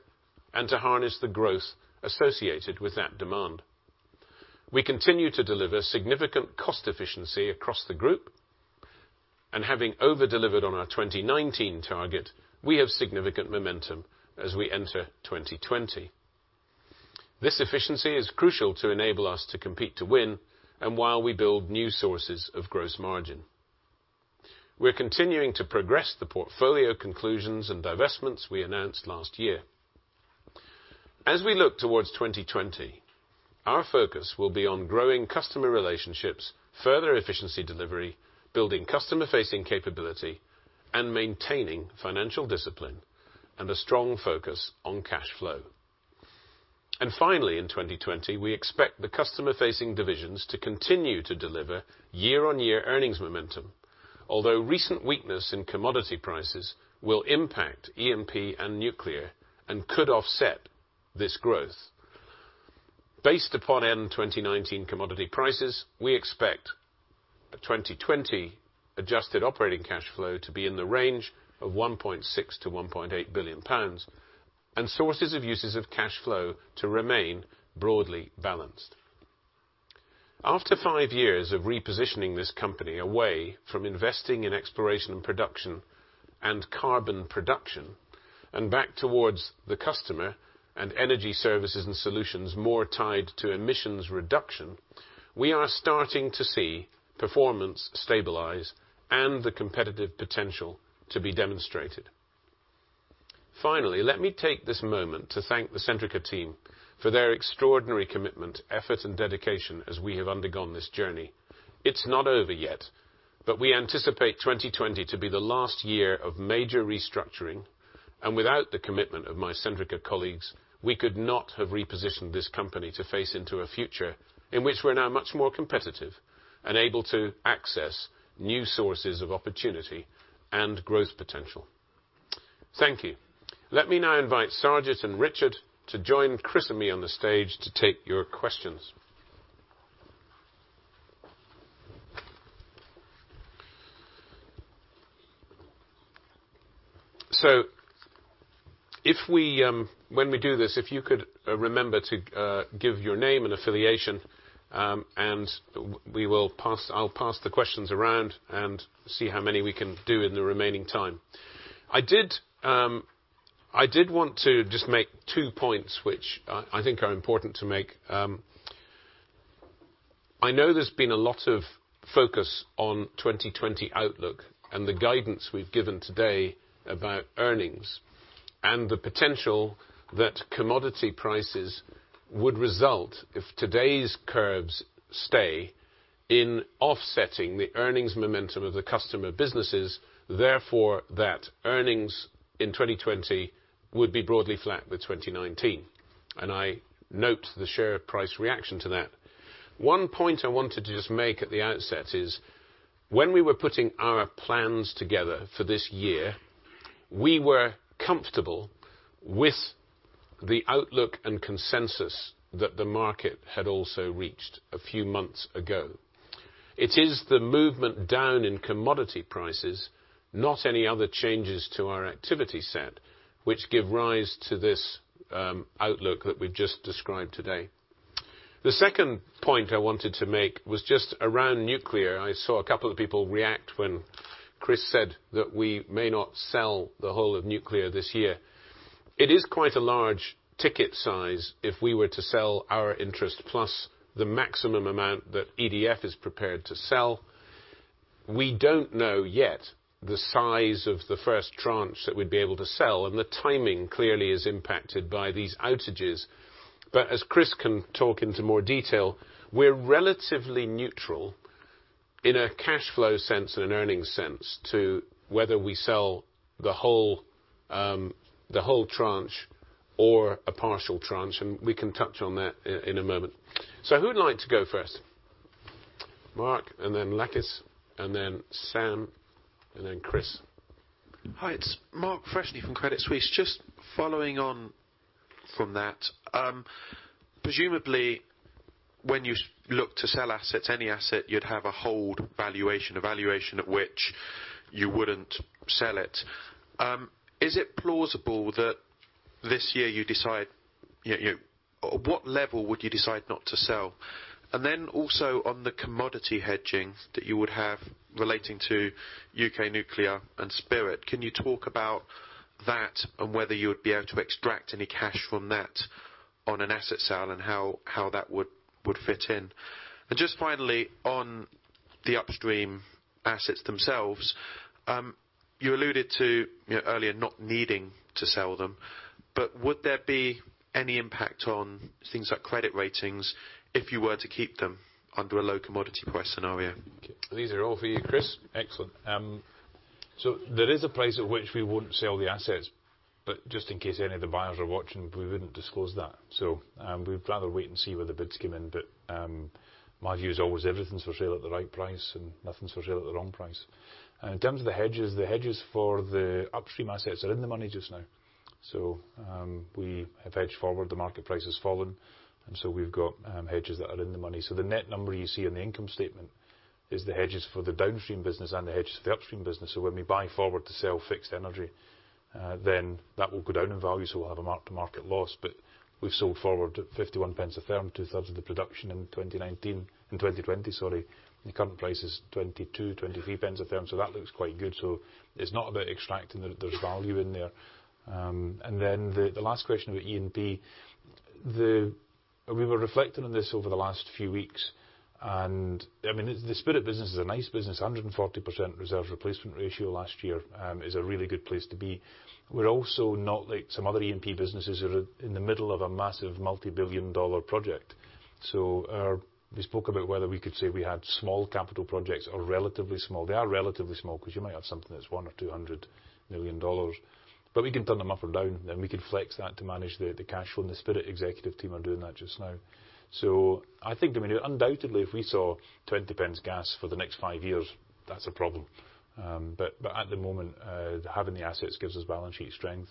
and to harness the growth associated with that demand. We continue to deliver significant cost efficiency across the group, and having over-delivered on our 2019 target, we have significant momentum as we enter 2020. This efficiency is crucial to enable us to compete to win, and while we build new sources of gross margin. We're continuing to progress the portfolio conclusions and divestments we announced last year. As we look towards 2020, our focus will be on growing customer relationships, further efficiency delivery, building customer-facing capability, and maintaining financial discipline and a strong focus on cash flow. Finally, in 2020, we expect the customer-facing divisions to continue to deliver year-on-year earnings momentum. Although recent weakness in commodity prices will impact E&P and nuclear and could offset this growth. Based upon end 2019 commodity prices, we expect a 2020 adjusted operating cash flow to be in the range of £1.6 billion-£1.8 billion, and sources of uses of cash flow to remain broadly balanced. After five years of repositioning this company away from investing in exploration and production and carbon production, and back towards the customer and energy services and solutions more tied to emissions reduction, we are starting to see performance stabilize and the competitive potential to be demonstrated. Finally, let me take this moment to thank the Centrica team for their extraordinary commitment, effort, and dedication as we have undergone this journey. It's not over yet. We anticipate 2020 to be the last year of major restructuring, and without the commitment of my Centrica colleagues, we could not have repositioned this company to face into a future in which we're now much more competitive and able to access new sources of opportunity and growth potential. Thank you. Let me now invite Sarwjit and Richard to join Chris and me on the stage to take your questions. When we do this, if you could remember to give your name and affiliation, and I'll pass the questions around and see how many we can do in the remaining time. I did want to just make two points which I think are important to make. I know there's been a lot of focus on 2020 outlook and the guidance we've given today about earnings, and the potential that commodity prices would result if today's curves stay in offsetting the earnings momentum of the customer businesses, therefore, that earnings in 2020 would be broadly flat with 2019. I note the share price reaction to that. One point I wanted to just make at the outset is, when we were putting our plans together for this year, we were comfortable with the outlook and consensus that the market had also reached a few months ago. It is the movement down in commodity prices, not any other changes to our activity set, which give rise to this outlook that we've just described today. The second point I wanted to make was just around nuclear. I saw a couple of people react when Chris said that we may not sell the whole of nuclear this year. It is quite a large ticket size if we were to sell our interest plus the maximum amount that EDF is prepared to sell. We don't know yet the size of the first tranche that we'd be able to sell, and the timing clearly is impacted by these outages. But as Chris can talk into more detail, we're relatively neutral in a cash flow sense and an earnings sense to whether we sell the whole tranche or a partial tranche, and we can touch on that in a moment. Who'd like to go first? Mark, and then Lakis, and then Sam, and then Chris. Hi, it's Mark Freshney from Credit Suisse. Following on from that, presumably, when you look to sell assets, any asset, you would have a hold valuation, a valuation at which you wouldn't sell it. Is it plausible that this year you decide At what level would you decide not to sell? Also on the commodity hedging that you would have relating to U.K. nuclear and Spirit, can you talk about that and whether you would be able to extract any cash from that on an asset sale and how that would fit in? Just finally, on the upstream assets themselves, you alluded to earlier not needing to sell them, but would there be any impact on things like credit ratings if you were to keep them under a low commodity price scenario? Okay. These are all for you, Chris. Excellent. There is a price at which we wouldn't sell the assets, but just in case any of the buyers are watching, we wouldn't disclose that. We'd rather wait and see where the bids came in. My view is always everything's for sale at the right price and nothing's for sale at the wrong price. In terms of the hedges, the hedges for the upstream assets are in the money just now. We have hedged forward, the market price has fallen, and so we've got hedges that are in the money. The net number you see on the income statement is the hedges for the downstream business and the hedges for the upstream business. When we buy forward to sell fixed energy, then that will go down in value, so we'll have a mark-to-market loss. We've sold forward 0.51 a therm, two-thirds of the production in 2019, in 2020, sorry, and the current price is 0.22, 0.23 a therm. That looks quite good. It's not about extracting. There's value in there. The last question about E&P. We were reflecting on this over the last few weeks. The Spirit business is a nice business, 140% reserves replacement ratio last year, is a really good place to be. We're also not like some other E&P businesses that are in the middle of a massive multi-billion dollar project. We spoke about whether we could say we had small capital projects or relatively small. They are relatively small because you might have something that's $100 million or $200 million. We can turn them up or down, and we can flex that to manage the cash flow, and the Spirit executive team are doing that just now. I think that undoubtedly, if we saw 0.20 gas for the next five years, that's a problem. At the moment, having the assets gives us balance sheet strength,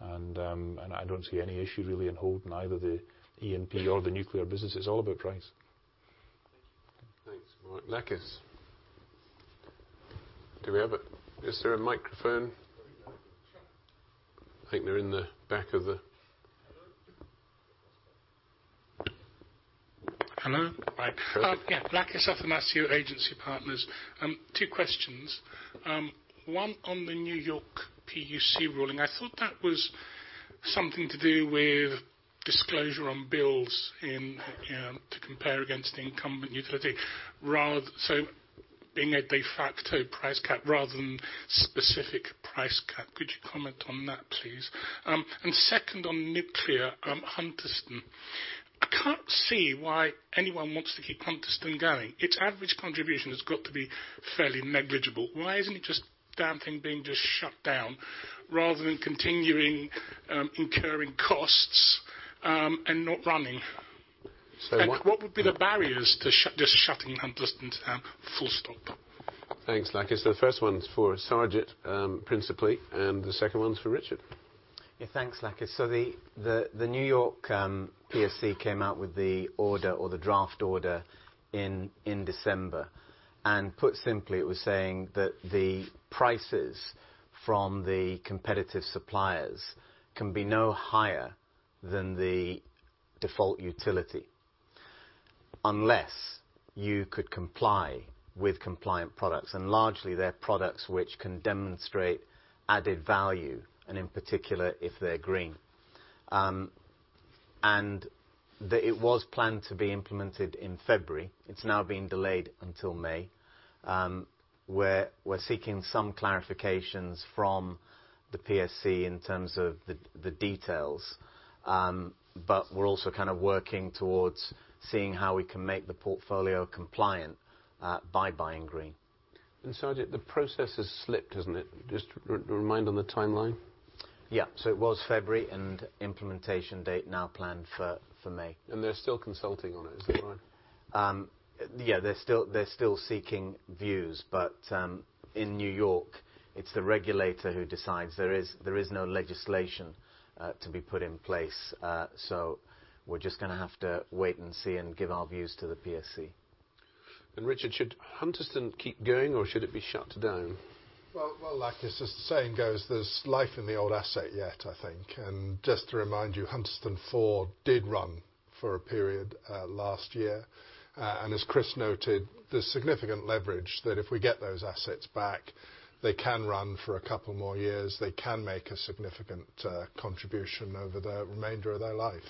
and I don't see any issue really in holding either the E&P or the nuclear business. It's all about price. Thank you. Thanks, Mark. Lakis. Is there a microphone? I think they're in the back of the- Hello? Hello? Hi. Perfect. Lakis Athanasiou, Agency Partners. Two questions. One on the New York PUC ruling. I thought that was something to do with disclosure on bills to compare against the incumbent utility. Being a de facto price cap rather than specific price cap. Could you comment on that, please? Second, on nuclear, Hunterston. I can't see why anyone wants to keep Hunterston going. Its average contribution has got to be fairly negligible. Why isn't it just the damn thing being just shut down rather than continuing incurring costs and not running? Mark. What would be the barriers to just shutting Hunterston down, full stop? Thanks, Lakis. The first one's for Sarwjit, principally, and the second one's for Richard. Yeah. Thanks, Lakis. The New York PSC came out with the order or the draft order in December, put simply, it was saying that the prices from the competitive suppliers can be no higher than the default utility, unless you could comply with compliant products. Largely, they're products which can demonstrate added value, and in particular, if they're green. It was planned to be implemented in February. It's now been delayed until May. We're seeking some clarifications from the PSC in terms of the details. We're also kind of working towards seeing how we can make the portfolio compliant by buying green. Sarwj, the process has slipped, hasn't it? Just remind on the timeline. Yeah. It was February, and implementation date now planned for May. They're still consulting on it, is that right? Yeah, they're still seeking views. In New York, it's the regulator who decides. There is no legislation to be put in place. We're just going to have to wait and see and give our views to the PSC. Richard, should Hunterston keep going, or should it be shut down? Well, like the saying goes, there's life in the old asset yet, I think. Just to remind you, Hunterston 4 did run for a period last year. As Chris noted, there's significant leverage that if we get those assets back, they can run for two more years. They can make a significant contribution over the remainder of their life.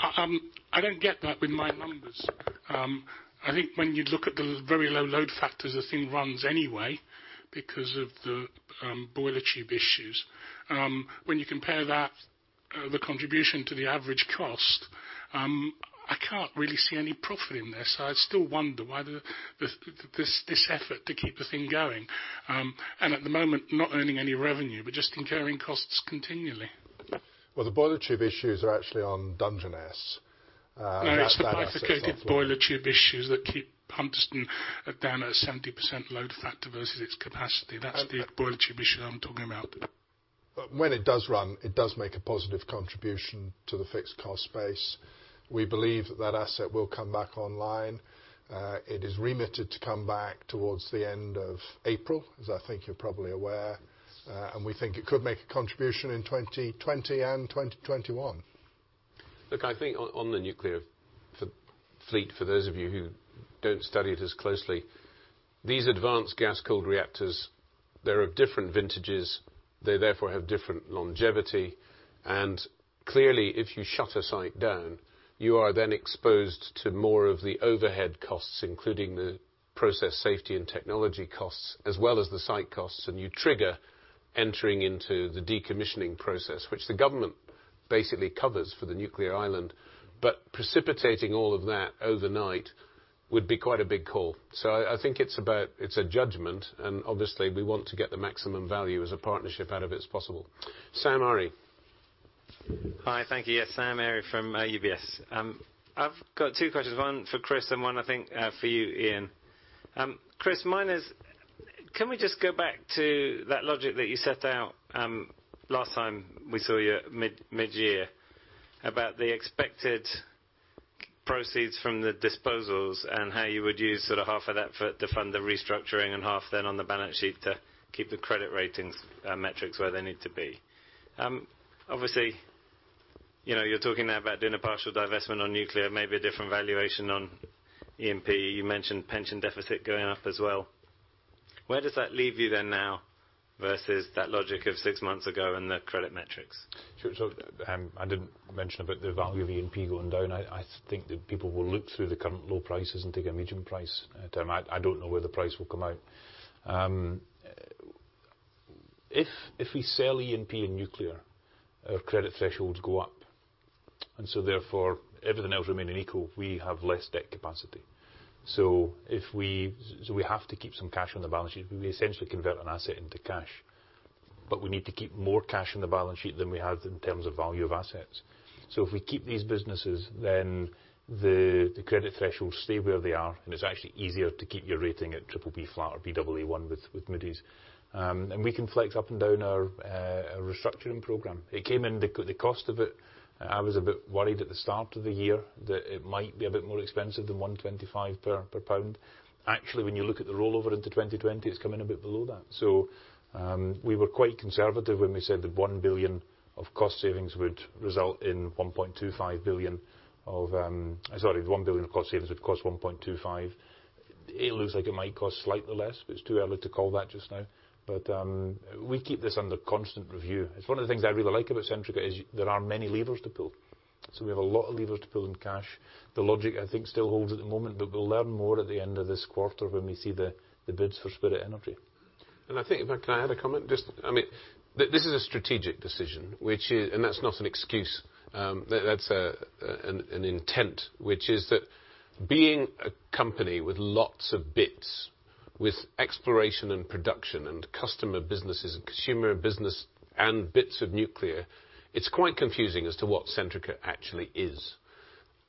I don't get that with my numbers. I think when you look at the very low load factors, the thing runs anyway because of the boiler tube issues. When you compare that, the contribution to the average cost, I can't really see any profit in there. I still wonder why this effort to keep the thing going. At the moment, not earning any revenue, but just incurring costs continually. Well, the boiler tube issues are actually on Dungeness. That's that asset, sadly. No, it's the bifurcated boiler tube issues that keep Hunterston down at a 70% load factor versus its capacity. That's the boiler tube issue I'm talking about. When it does run, it does make a positive contribution to the fixed cost base. We believe that asset will come back online. It is committed to come back towards the end of April, as I think you're probably aware. We think it could make a contribution in 2020 and 2021. I think on the nuclear fleet, for those of you who don't study it as closely, these advanced gas-cooled reactors, they're of different vintages. They therefore have different longevity. Clearly, if you shut a site down, you are then exposed to more of the overhead costs, including the process safety and technology costs, as well as the site costs, and you trigger entering into the decommissioning process. Which the government basically covers for the nuclear island. Precipitating all of that overnight would be quite a big call. I think it's a judgment, and obviously, we want to get the maximum value as a partnership out of it as possible. Sam Arie. Hi. Thank you. Sam Arie from UBS. I've got two questions, one for Chris and one, I think, for you, Iain. Chris, mine is, can we just go back to that logic that you set out last time we saw you mid-year about the expected proceeds from the disposals and how you would use sort of half of that to fund the restructuring and half then on the balance sheet to keep the credit ratings metrics where they need to be? Obviously, you're talking now about doing a partial divestment on nuclear, maybe a different valuation on E&P. You mentioned pension deficit going up as well. Where does that leave you then now versus that logic of six months ago and the credit metrics? Sure. I didn't mention about the value of E&P going down. I think that people will look through the current low prices and take a medium price term. I don't know where the price will come out. If we sell E&P and nuclear, our credit thresholds go up. Therefore, everything else remaining equal, we have less debt capacity. We have to keep some cash on the balance sheet. We essentially convert an asset into cash. We need to keep more cash on the balance sheet than we have in terms of value of assets. If we keep these businesses, then the credit thresholds stay where they are, and it's actually easier to keep your rating at BBB flat or Baa1 with Moody's. We can flex up and down our restructuring program. It came in, the cost of it, I was a bit worried at the start of the year that it might be a bit more expensive than 125 per pound. When you look at the rollover into 2020, it's coming a bit below that. We were quite conservative when we said the 1 billion of cost savings would cost 1.25 billion. It looks like it might cost slightly less, it's too early to call that just now. We keep this under constant review. It's one of the things I really like about Centrica is there are many levers to pull. We have a lot of levers to pull in cash. The logic, I think still holds at the moment, we'll learn more at the end of this quarter when we see the bids for Spirit Energy. I think, can I add a comment? This is a strategic decision. That's not an excuse. That's an intent. Which is that being a company with lots of bits, with exploration and production and customer businesses and consumer business and bits of nuclear, it's quite confusing as to what Centrica actually is.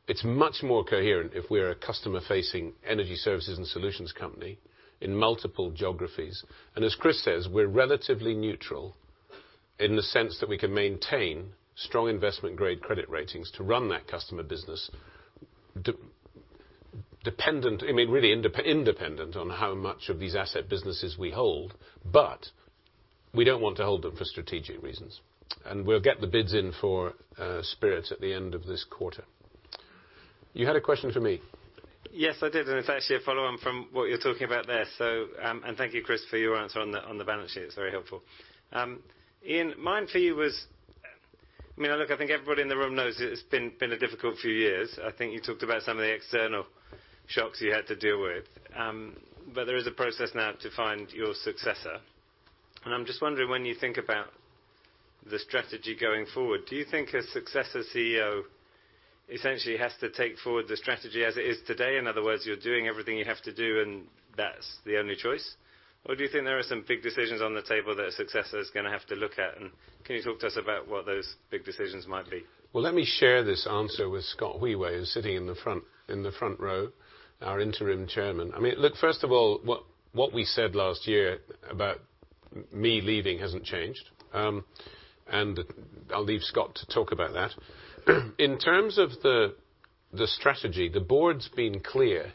It's much more coherent if we're a customer-facing energy services and solutions company in multiple geographies. As Chris says, we're relatively neutral in the sense that we can maintain strong investment-grade credit ratings to run that customer business really independent on how much of these asset businesses we hold. We don't want to hold them for strategic reasons. We'll get the bids in for Spirit at the end of this quarter. You had a question for me? Yes, I did. It's actually a follow-on from what you're talking about there. Thank you, Chris, for your answer on the balance sheet. It's very helpful. Iain, mine for you was, look, I think everybody in the room knows it's been a difficult few years. I think you talked about some of the external shocks you had to deal with. There is a process now to find your successor. I'm just wondering, when you think about the strategy going forward, do you think a successor CEO essentially has to take forward the strategy as it is today? In other words, you're doing everything you have to do, and that's the only choice? Do you think there are some big decisions on the table that a successor is going to have to look at? Can you talk to us about what those big decisions might be? Well, let me share this answer with Scott Wheway, who's sitting in the front row, our interim Chairman. Look, first of all, what we said last year about me leaving hasn't changed. I'll leave Scott to talk about that. In terms of the strategy, the board's been clear,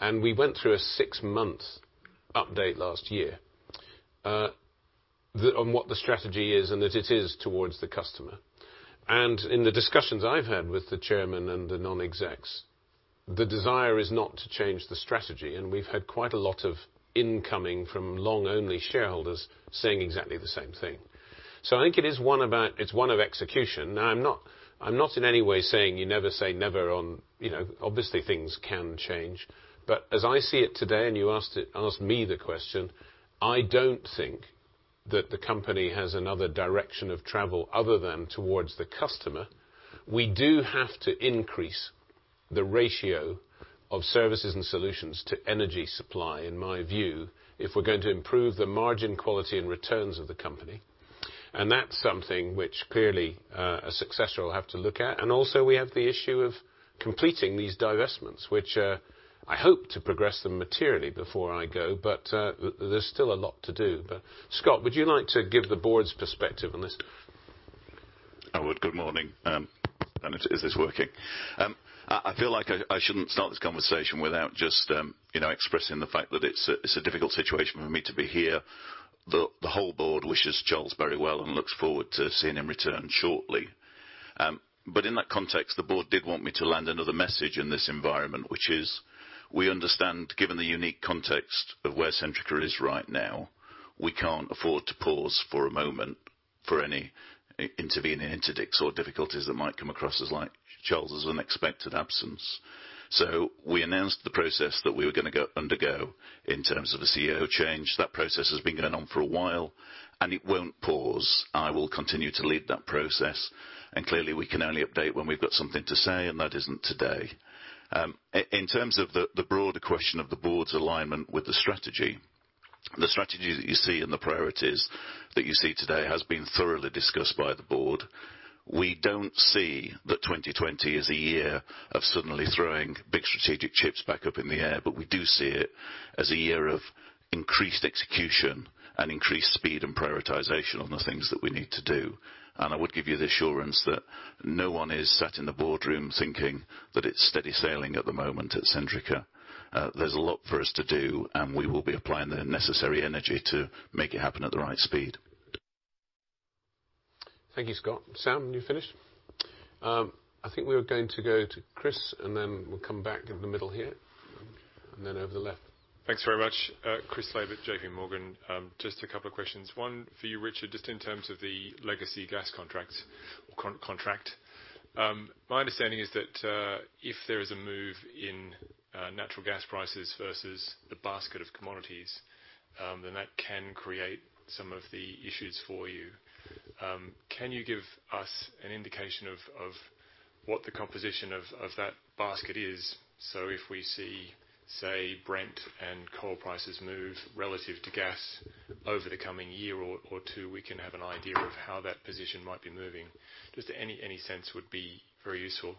and we went through a six-month update last year on what the strategy is and that it is towards the customer. In the discussions I've had with the Chairman and the non-execs, the desire is not to change the strategy, and we've had quite a lot of incoming from long-only shareholders saying exactly the same thing. I think it is one of execution. Now, I'm not in any way saying you never say never. Obviously things can change. As I see it today, and you asked me the question, I don't think that the company has another direction of travel other than towards the customer. We do have to increase the ratio of services and solutions to energy supply, in my view, if we're going to improve the margin quality and returns of the company. That's something which clearly a successor will have to look at. Also, we have the issue of completing these divestments, which I hope to progress them materially before I go, but there's still a lot to do. Scott, would you like to give the board's perspective on this? I would. Good morning. Is this working? I feel like I shouldn't start this conversation without just expressing the fact that it's a difficult situation for me to be here. The whole board wishes Charles very well and looks forward to seeing him return shortly. In that context, the board did want me to land another message in this environment, which is we understand, given the unique context of where Centrica is right now, we can't afford to pause for a moment for any intervening interdicts or difficulties that might come across as like Charles' unexpected absence. We announced the process that we were going to undergo in terms of a CEO change. That process has been going on for a while, and it won't pause. I will continue to lead that process. Clearly, we can only update when we've got something to say. That isn't today. In terms of the broader question of the board's alignment with the strategy, the strategy that you see and the priorities that you see today has been thoroughly discussed by the board. We don't see that 2020 is a year of suddenly throwing big strategic chips back up in the air, but we do see it as a year of increased execution and increased speed and prioritization on the things that we need to do. I would give you the assurance that no one is sat in the boardroom thinking that it's steady sailing at the moment at Centrica. There's a lot for us to do. We will be applying the necessary energy to make it happen at the right speed. Thank you, Scott. Sam, you finished? I think we are going to go to Chris, and then we'll come back in the middle here, and then over the left. Thanks very much. Chris at JPMorgan. Just a couple of questions. One for you, Richard, just in terms of the legacy gas contract. My understanding is that if there is a move in natural gas prices versus the basket of commodities, then that can create some of the issues for you. Can you give us an indication of what the composition of that basket is? If we see, say, Brent and coal prices move relative to gas over the coming year or two, we can have an idea of how that position might be moving. Just any sense would be very useful.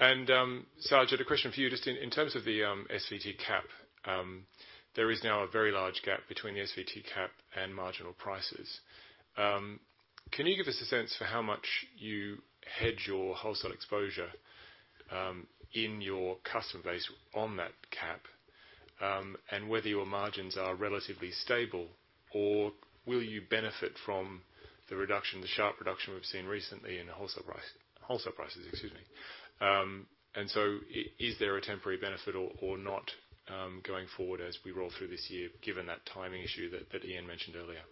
Sarwjit, a question for you, just in terms of the SVT cap. There is now a very large gap between the SVT cap and marginal prices. Can you give us a sense for how much you hedge your wholesale exposure in your customer base on that cap? Whether your margins are relatively stable, or will you benefit from the sharp reduction we've seen recently in wholesale prices? Excuse me. Is there a temporary benefit or not, going forward as we roll through this year, given that timing issue that Iain mentioned earlier?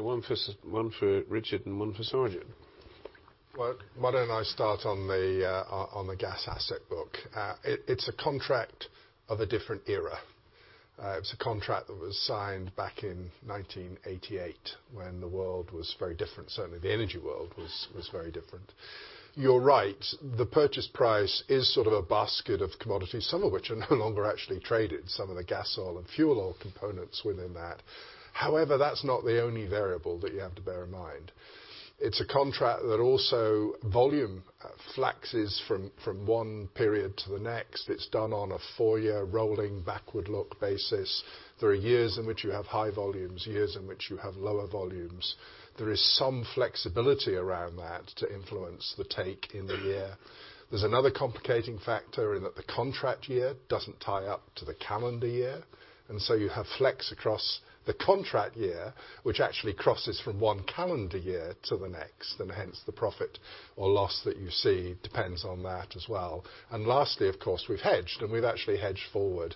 One for Richard and one for Sarwjit. Well, why don't I start on the gas asset book. It's a contract of a different era. It was a contract that was signed back in 1988 when the world was very different. Certainly, the energy world was very different. You're right, the purchase price is sort of a basket of commodities, some of which are no longer actually traded, some of the gas oil and fuel oil components within that. However, that's not the only variable that you have to bear in mind. It's a contract that also volume flexes from one period to the next. It's done on a four-year rolling backward-look basis. There are years in which you have high volumes, years in which you have lower volumes. There is some flexibility around that to influence the take in the year. There's another complicating factor. The contract year doesn't tie up to the calendar year. You have flex across the contract year, which actually crosses from one calendar year to the next. Hence, the profit or loss that you see depends on that as well. Lastly, of course, we've hedged. We've actually hedged forward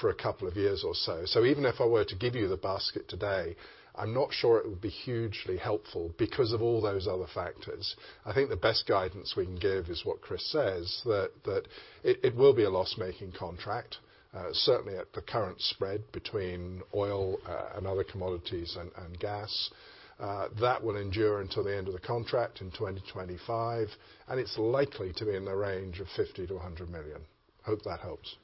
for a couple of years or so. Even if I were to give you the basket today, I'm not sure it would be hugely helpful because of all those other factors. I think the best guidance we can give is what Chris says, that it will be a loss-making contract. Certainly, at the current spread between oil and other commodities and gas. That will endure until the end of the contract in 2025, and it's likely to be in the range of 50 million-100 million. Hope that helps.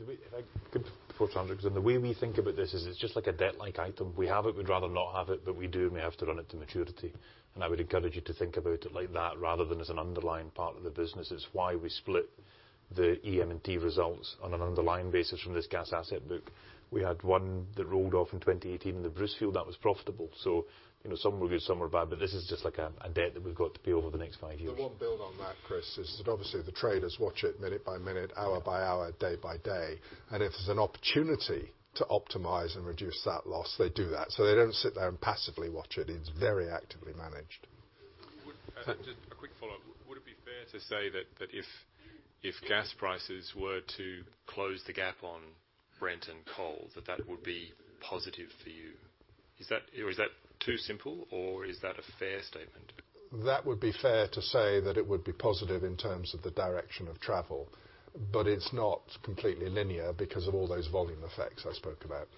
If I could, before. Sure. The way we think about this is it's just like a debt-like item. We have it, we'd rather not have it, but we do and we have to run it to maturity. I would encourage you to think about it like that, rather than as an underlying part of the business. It's why we split the EM&T results on an underlying basis from this gas asset book. We had one that rolled off in 2018, the Bruce field, that was profitable. Some were good, some were bad, but this is just like a debt that we've got to pay over the next five years. The one build on that, Chris, is that obviously the traders watch it minute-by-minute, hour-by-hour, day-by-day. If there's an opportunity to optimize and reduce that loss, they do that. They don't sit there and passively watch it. It's very actively managed. Just a quick follow-up. Would it be fair to say that if gas prices were to close the gap on Brent and coal, that that would be positive for you? Is that too simple or is that a fair statement? That would be fair to say that it would be positive in terms of the direction of travel. It's not completely linear because of all those volume effects I spoke about.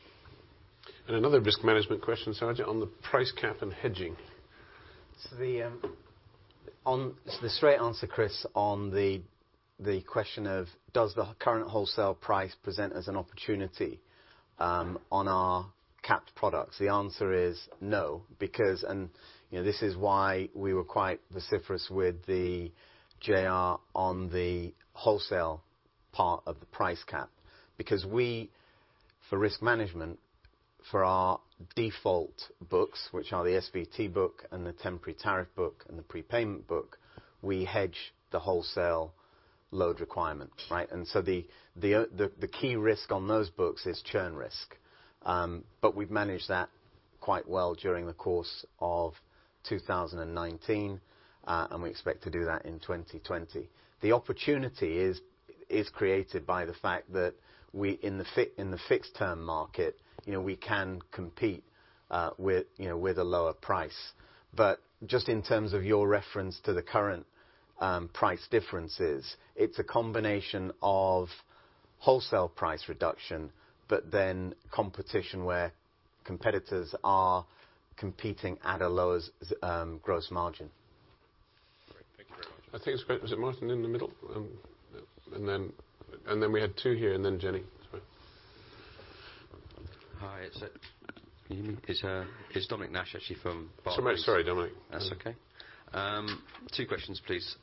Another risk management question, Sarwjit, on the price cap and hedging? The straight answer, Chris, on the question of does the current wholesale price present as an opportunity on our capped products? The answer is no. This is why we were quite vociferous with the JR on the wholesale part of the price cap. We, for risk management, for our default books, which are the SVT book and the temporary tariff book and the prepayment book, we hedge the wholesale load requirement. Right? The key risk on those books is churn risk. We've managed that quite well during the course of 2019, and we expect to do that in 2020. The opportunity is created by the fact that we, in the fixed term market, we can compete with a lower price. Just in terms of your reference to the current price differences, it's a combination of wholesale price reduction, but then competition where competitors are competing at a lower gross margin. Great. Thank you very much. I think it's great. Was it Martin in the middle? Then we had two here and then Jenny. Sorry. Hi, it's Dominic Nash actually from Barclays. Sorry, Dominic. That's okay. Two questions, please.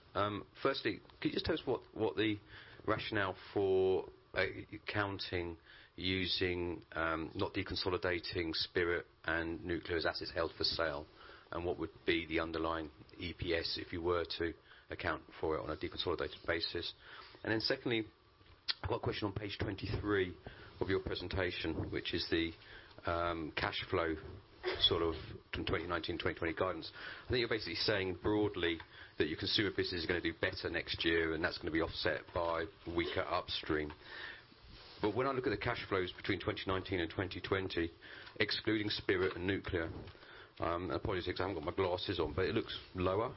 Firstly, could you just tell us what the rationale for accounting using, not deconsolidating Spirit and Nuclear as assets held for sale? What would be the underlying EPS if you were to account for it on a deconsolidated basis? Secondly, I've got a question on page 23 of your presentation, which is the cashflow sort of 2019/2020 guidance. I think you're basically saying broadly that your consumer business is going to do better next year and that's going to be offset by weaker upstream. When I look at the cash flows between 2019 and 2020, excluding Spirit and Nuclear, apologies because I haven't got my glasses on, but it looks lower.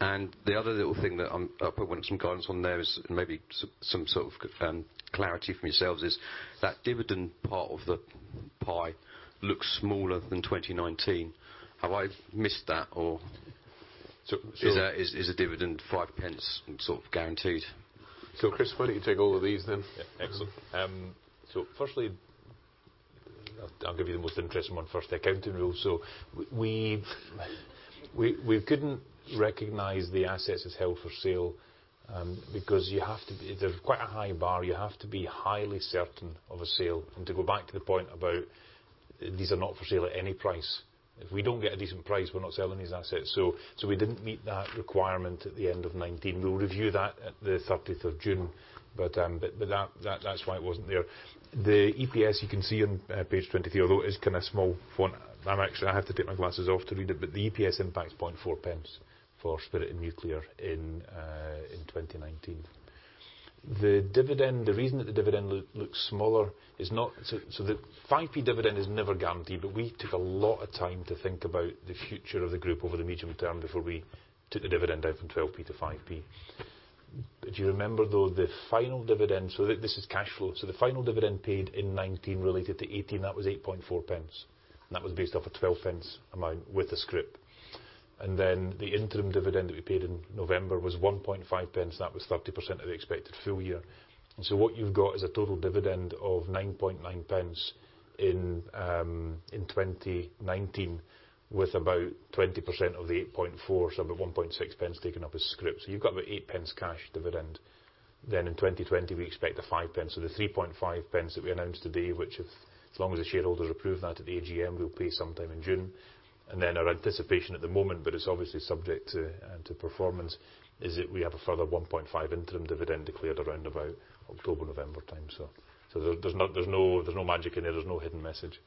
The other little thing that I probably want some guidance on there is, maybe some sort of clarity from yourselves is, that dividend part of the pie looks smaller than 2019. Have I missed that? Sure is the dividend 0.05 sort of guaranteed? Chris, why don't you take all of these then? Yeah. Excellent. Firstly, I'll give you the most interesting one first, the accounting rules. We couldn't recognize the assets as held for sale, because there's quite a high bar. You have to be highly certain of a sale. To go back to the point about these are not for sale at any price. If we don't get a decent price, we're not selling these assets. We didn't meet that requirement at the end of 2019. We'll review that at the 30th of June. That's why it wasn't there. The EPS you can see on page 23, although it is kind of small font. I have to take my glasses off to read it, but the EPS impact is 0.004 for Spirit and Nuclear in 2019. The dividend. The reason that the dividend looks smaller is not. The 0.05 dividend is never guaranteed, but we took a lot of time to think about the future of the group over the medium term before we took the dividend down from 0.12 to 0.05. You remember though, the final dividend. This is cashflow. The final dividend paid in 2019 related to 2018, that was 0.084. That was based off a 0.12 amount with a scrip. The interim dividend that we paid in November was 0.015. That was 30% of the expected full year. What you've got is a total dividend of 0.099 in 2019, with about 20% of the 0.084, so about 0.016 taken up as scrip. You've got about 0.08 cash dividend. In 2020 we expect a 0.05. The 0.035 that we announced today, which as long as the shareholders approve that at AGM, we'll pay sometime in June. Our anticipation at the moment, but it's obviously subject to performance is that we have a further 0.015 interim dividend declared around about October, November time. There's no magic in there. There's no hidden message.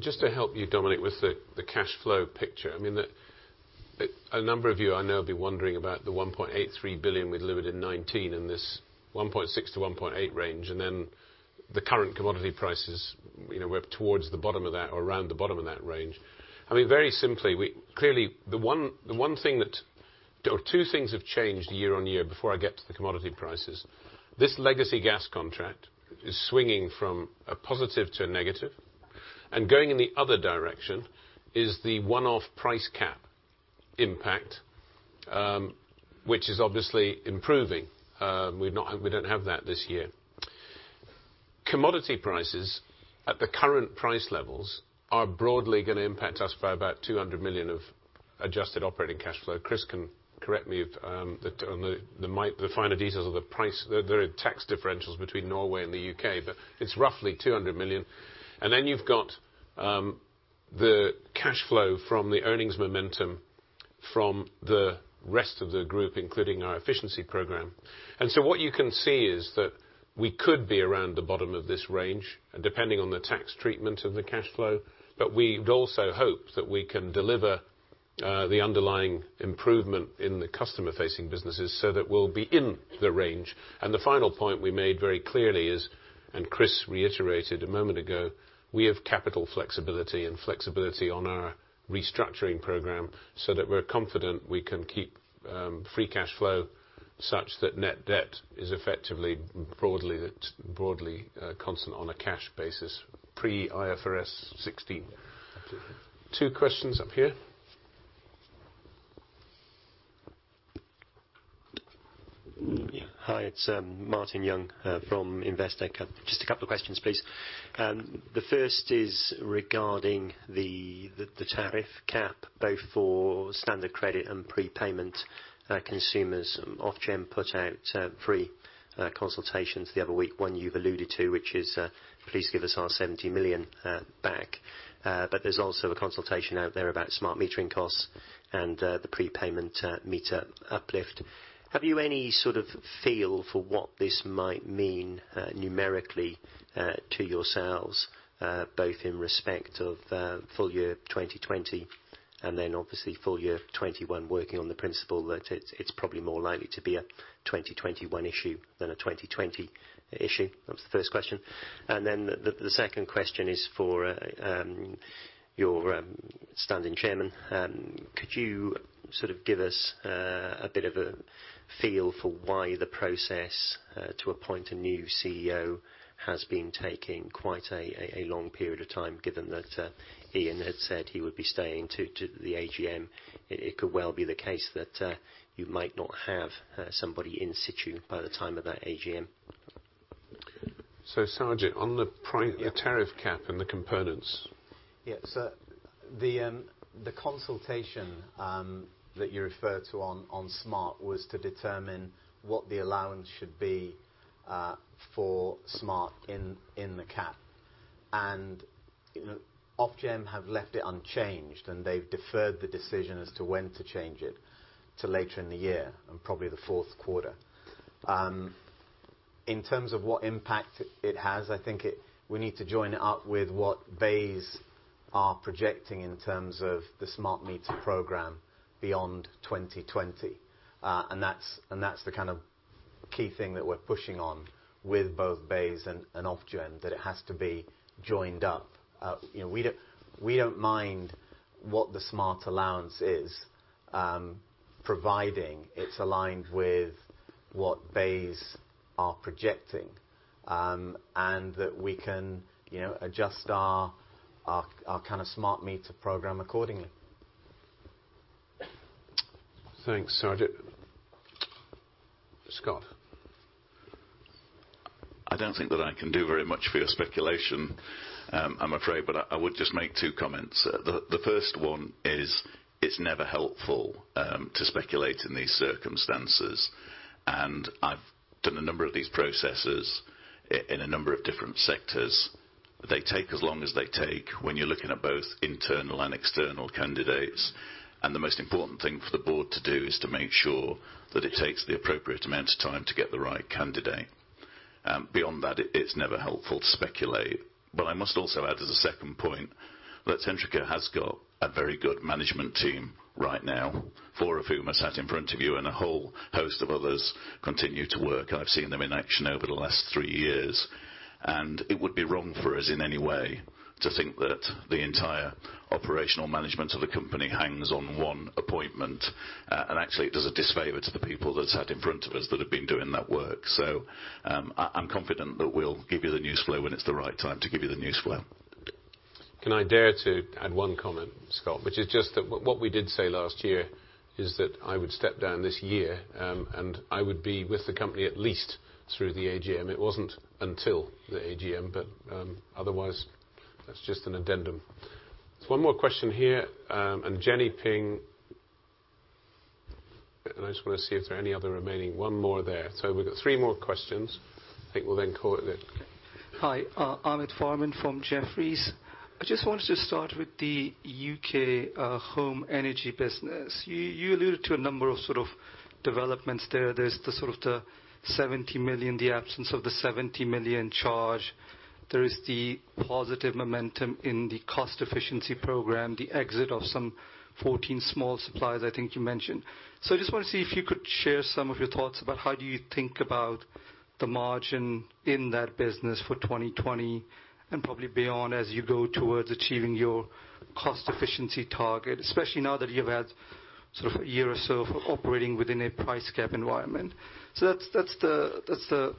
Just to help you, Dominic, with the cash flow picture, a number of you I know will be wondering about the 1.83 billion we delivered in 2019 in this 1.6-1.8 range, and then the current commodity prices, we're towards the bottom of that or around the bottom of that range. Very simply, clearly, the one thing or two things have changed year-on-year before I get to the commodity prices. This legacy gas contract is swinging from a positive to a negative, and going in the other direction is the one-off price cap impact, which is obviously improving. We don't have that this year. Commodity prices at the current price levels are broadly going to impact us by about 200 million of adjusted operating cash flow. Chris can correct me on the finer details of the price. There are tax differentials between Norway and the U.K., but it's roughly 200 million. You've got the cash flow from the earnings momentum from the rest of the group, including our efficiency program. What you can see is that we could be around the bottom of this range depending on the tax treatment of the cash flow. We would also hope that we can deliver the underlying improvement in the customer-facing businesses so that we'll be in the range. The final point we made very clearly is, and Chris reiterated a moment ago, we have capital flexibility and flexibility on our restructuring program so that we're confident we can keep free cash flow such that net debt is effectively broadly constant on a cash basis pre IFRS 16. Absolutely. Two questions up here. Hi, it's Martin Young from Investec. Just a couple of questions, please. The first is regarding the tariff cap both for standard credit and prepayment consumers. Ofgem put out three consultations the other week, one you've alluded to, which is, please give us our 70 million back. There's also a consultation out there about smart metering costs and the prepayment meter uplift. Have you any sort of feel for what this might mean numerically to yourselves both in respect of full year 2020 and then obviously full year 2021 working on the principle that it's probably more likely to be a 2021 issue than a 2020 issue? That was the first question. The second question is for your standing chairman. Could you sort of give us a bit of a feel for why the process to appoint a new CEO has been taking quite a long period of time, given that Iain had said he would be staying to the AGM? It could well be the case that you might not have somebody in situ by the time of that AGM. Sarwjit, on the tariff cap and the components. The consultation that you refer to on smart was to determine what the allowance should be for smart in the cap. Ofgem have left it unchanged, and they've deferred the decision as to when to change it to later in the year, and probably the fourth quarter. In terms of what impact it has, I think we need to join it up with what BEIS are projecting in terms of the smart meter program beyond 2020. That's the kind of key thing that we're pushing on with both BEIS and Ofgem, that it has to be joined up. We don't mind what the smart allowance is, providing it's aligned with what BEIS are projecting, and that we can adjust our kind of smart meter program accordingly. Thanks, Sarwjit. Scott? I don't think that I can do very much for your speculation, I'm afraid, but I would just make two comments. The first one is it's never helpful to speculate in these circumstances. I've done a number of these processes in a number of different sectors. They take as long as they take when you're looking at both internal and external candidates. The most important thing for the board to do is to make sure that it takes the appropriate amount of time to get the right candidate. Beyond that, it's never helpful to speculate. I must also add as a second point that Centrica has got a very good management team right now, four of whom are sat in front of you, and a whole host of others continue to work, and I've seen them in action over the last three years. It would be wrong for us in any way to think that the entire operational management of the company hangs on one appointment. Actually, it does a disfavor to the people that sat in front of us that have been doing that work. I'm confident that we'll give you the news flow when it's the right time to give you the news flow. Can I dare to add one comment, Scott, which is just that what we did say last year is that I would step down this year, and I would be with the company at least through the AGM. It wasn't until the AGM, but otherwise, that's just an addendum. one more question here, and Jenny Ping I just want to see if there are any other remaining. One more there. We've got three more questions. I think we'll then call it that. Hi, Ahmed Farman from Jefferies. I just wanted to start with the U.K. home energy business. You alluded to a number of sort of developments there. There's the absence of the 70 million charge. There is the positive momentum in the cost efficiency program, the exit of some 14 small suppliers I think you mentioned. I just want to see if you could share some of your thoughts about how do you think about the margin in that business for 2020 and probably beyond, as you go towards achieving your cost efficiency target, especially now that you've had a year or so of operating within a price cap environment. That's my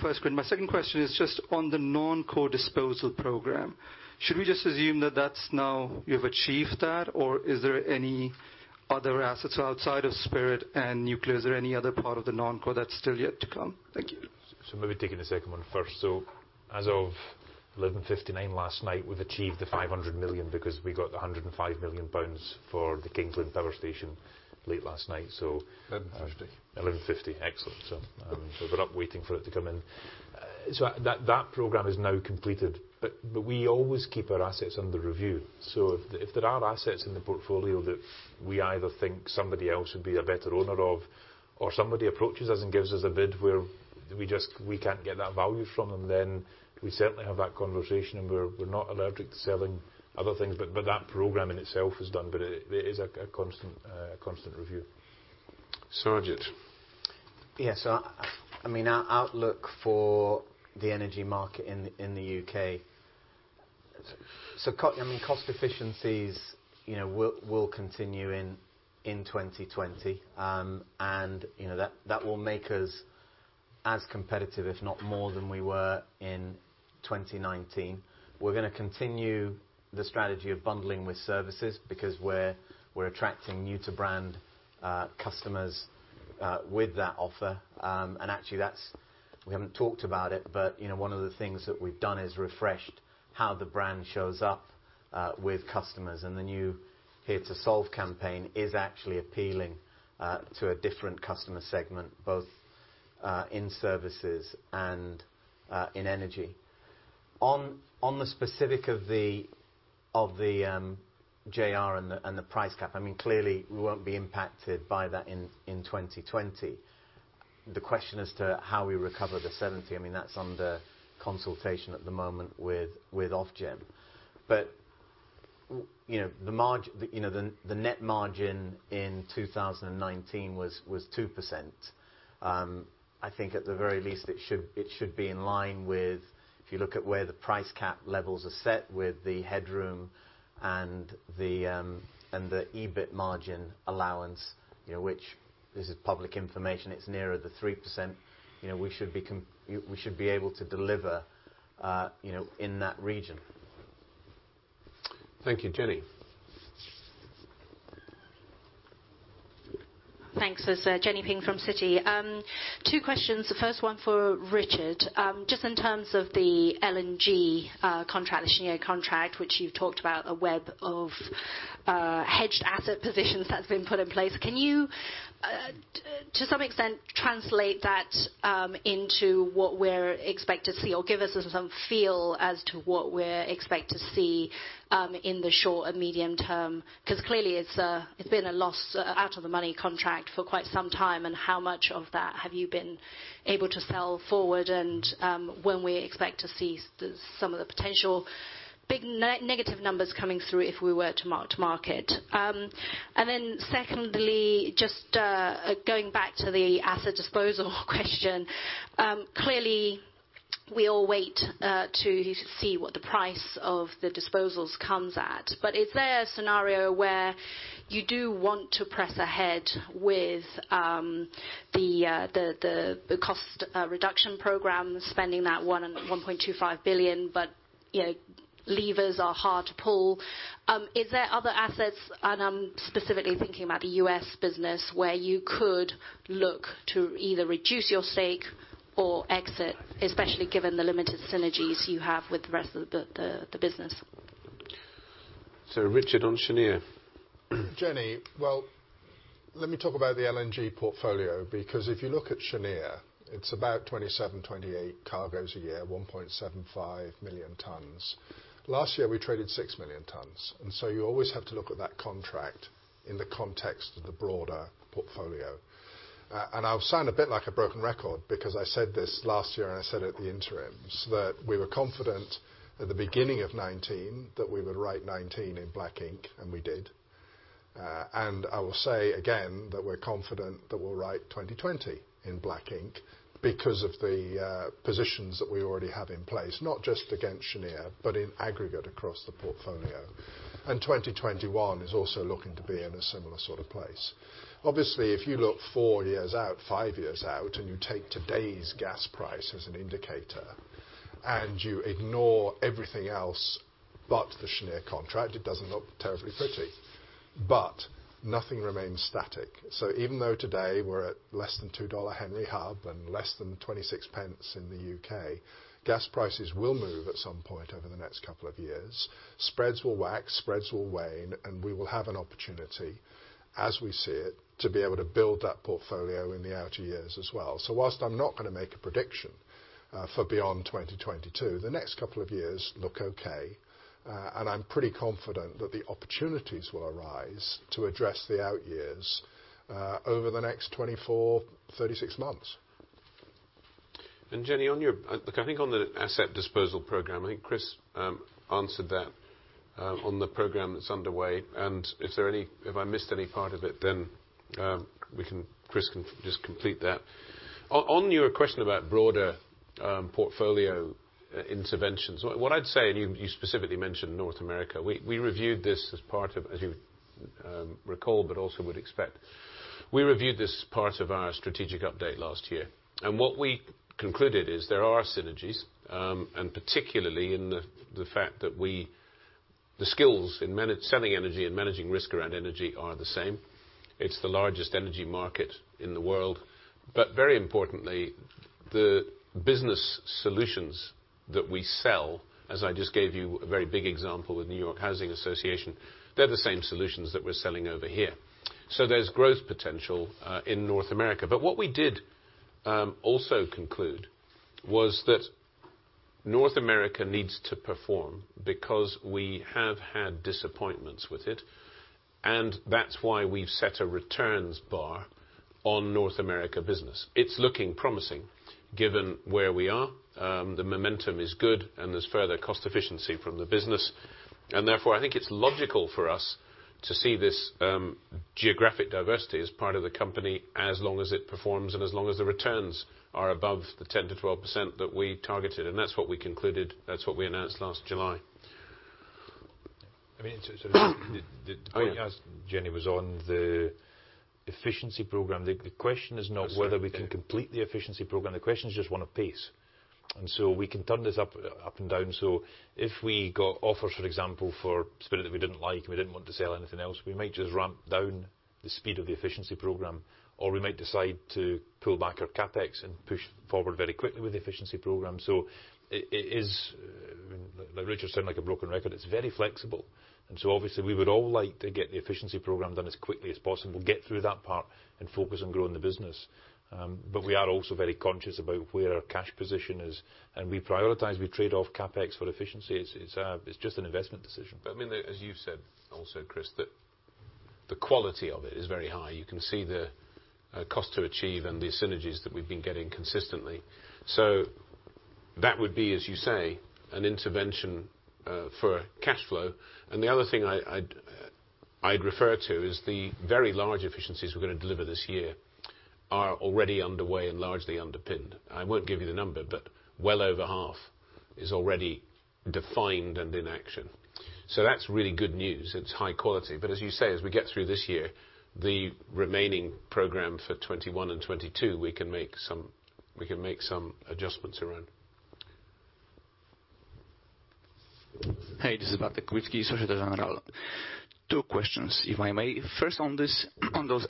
first question. My second question is just on the non-core disposal program. Should we just assume that you have achieved that, or is there any other assets outside of Spirit and Nuclear? Is there any other part of the non-core that's still yet to come? Thank you. Maybe taking the second one first. As of 11:59 PM last night, we've achieved the 500 million because we got the 105 million pounds for the Kingsnorth Power Station late last night. 11:50 PM. Excellent. We were up waiting for it to come in. That program is now completed, but we always keep our assets under review. If there are assets in the portfolio that we either think somebody else would be a better owner of or somebody approaches us and gives us a bid where we can't get that value from them, then we certainly have that conversation and we're not allergic to selling other things. That program in itself is done, but it is a constant review. Sarwjit. Yes. Our outlook for the energy market in the U.K. Cost efficiencies will continue in 2020. That will make us as competitive, if not more than we were in 2019. We're going to continue the strategy of bundling with services because we're attracting new-to-brand customers with that offer. Actually, we haven't talked about it, but one of the things that we've done is refreshed how the brand shows up with customers. The new Here to Solve campaign is actually appealing to a different customer segment, both in services and in energy. On the specific of the JR and the price cap, clearly we won't be impacted by that in 2020. The question as to how we recover the 70, that's under consultation at the moment with Ofgem. The net margin in 2019 was 2%. I think at the very least, it should be in line with, if you look at where the price cap levels are set with the headroom and the EBIT margin allowance which, this is public information, it's nearer the 3%. We should be able to deliver in that region. Thank you. Jenny. Thanks. Jenny Ping from Citi. Two questions, the first one for Richard. Just in terms of the LNG contract, the Cheniere contract, which you've talked about a web of hedged asset positions that's been put in place. Can you, to some extent, translate that into what we're expect to see, or give us some feel as to what we're expect to see in the short and medium term? Clearly it's been a loss out of the money contract for quite some time, and how much of that have you been able to sell forward and when we expect to see some of the potential big negative numbers coming through if we were to mark to market? Secondly, just going back to the asset disposal question. Clearly we all wait to see what the price of the disposals comes at, but is there a scenario where you do want to press ahead with the cost reduction program, spending that 1.25 billion, but levers are hard to pull. Is there other assets, and I'm specifically thinking about the U.S. business, where you could look to either reduce your stake or exit, especially given the limited synergies you have with the rest of the business? Richard, on Cheniere. Jenny, well, let me talk about the LNG portfolio, because if you look at Cheniere, it's about 27, 28 cargos a year, 1.75 million tons. Last year we traded 6 million tons. You always have to look at that contract in the context of the broader portfolio. I'll sound a bit like a broken record because I said this last year and I said it at the interims, that we were confident at the beginning of 2019 that we would write 2019 in black ink, and we did. I will say again that we're confident that we'll write 2020 in black ink because of the positions that we already have in place, not just against Cheniere, but in aggregate across the portfolio. 2021 is also looking to be in a similar sort of place. Obviously, if you look four years out, five years out, you take today's gas price as an indicator, you ignore everything else. The Cheniere contract, it doesn't look terribly pretty. Nothing remains static. Even though today we're at less than $2 Henry Hub and less than 0.26 in the U.K., gas prices will move at some point over the next couple of years. Spreads will wax, spreads will wane, we will have an opportunity, as we see it, to be able to build that portfolio in the outer years as well. Whilst I'm not going to make a prediction for beyond 2022, the next couple of years look okay, I'm pretty confident that the opportunities will arise to address the out years over the next 24, 36 months. Jenny, I think on the asset disposal program, I think Chris answered that on the program that's underway. If I missed any part of it, then Chris can just complete that. On your question about broader portfolio interventions, what I'd say, you specifically mentioned North America, we reviewed this part of our strategic update last year. What we concluded is there are synergies, particularly in the fact that the skills in selling energy and managing risk around energy are the same. It's the largest energy market in the world. Very importantly, the business solutions that we sell, as I just gave you a very big example with New York City Housing Authority, they're the same solutions that we're selling over here. There's growth potential in North America. What we did also conclude was that North America needs to perform because we have had disappointments with it, and that's why we've set a returns bar on North America Business. It's looking promising given where we are. The momentum is good and there's further cost efficiency from the business. Therefore, I think it's logical for us to see this geographic diversity as part of the company, as long as it performs and as long as the returns are above the 10%-12% that we targeted. That's what we concluded. That's what we announced last July. Jenny was on the efficiency program, the question is not whether we can complete the efficiency program, the question is just one of pace. We can turn this up and down. If we got offers, for example, for Spirit that we didn't like, and we didn't want to sell anything else, we might just ramp down the speed of the efficiency program, or we might decide to pull back our CapEx and push forward very quickly with the efficiency program. It is, like Richard, sound like a broken record. It's very flexible. Obviously we would all like to get the efficiency program done as quickly as possible, get through that part and focus on growing the business. We are also very conscious about where our cash position is and we prioritize, we trade off CapEx for efficiency. It's just an investment decision. As you've said also, Chris, that the quality of it is very high. You can see the cost to achieve and the synergies that we've been getting consistently. That would be, as you say, an intervention for cash flow. The other thing I'd refer to is the very large efficiencies we're going to deliver this year are already underway and largely underpinned. I won't give you the number, but well over half is already defined and in action. That's really good news. It's high quality. As you say, as we get through this year, the remaining program for 2021 and 2022, we can make some adjustments around. Hey, this is Bartlomiej Kubicki, Societe Generale. Two questions, if I may. First on those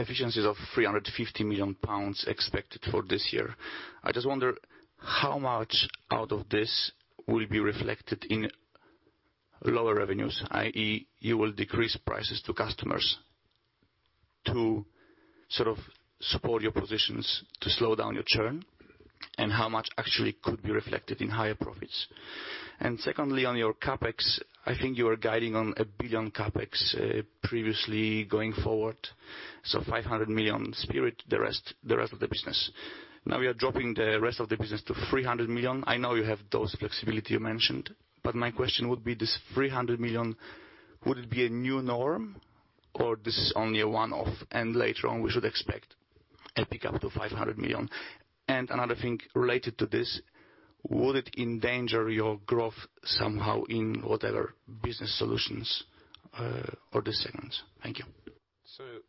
efficiencies of 350 million pounds expected for this year. I just wonder how much out of this will be reflected in lower revenues, i.e. you will decrease prices to customers to sort of support your positions to slow down your churn, and how much actually could be reflected in higher profits? Secondly, on your CapEx, I think you are guiding on 1 billion CapEx previously going forward. So 500 million Spirit, the rest of the business. Now you are dropping the rest of the business to 300 million. I know you have those flexibility you mentioned, but my question would be this 300 million, would it be a new norm or this is only a one-off and later on we should expect a pick up to 500 million? Another thing related to this, would it endanger your growth somehow in whatever business solutions for the segments? Thank you.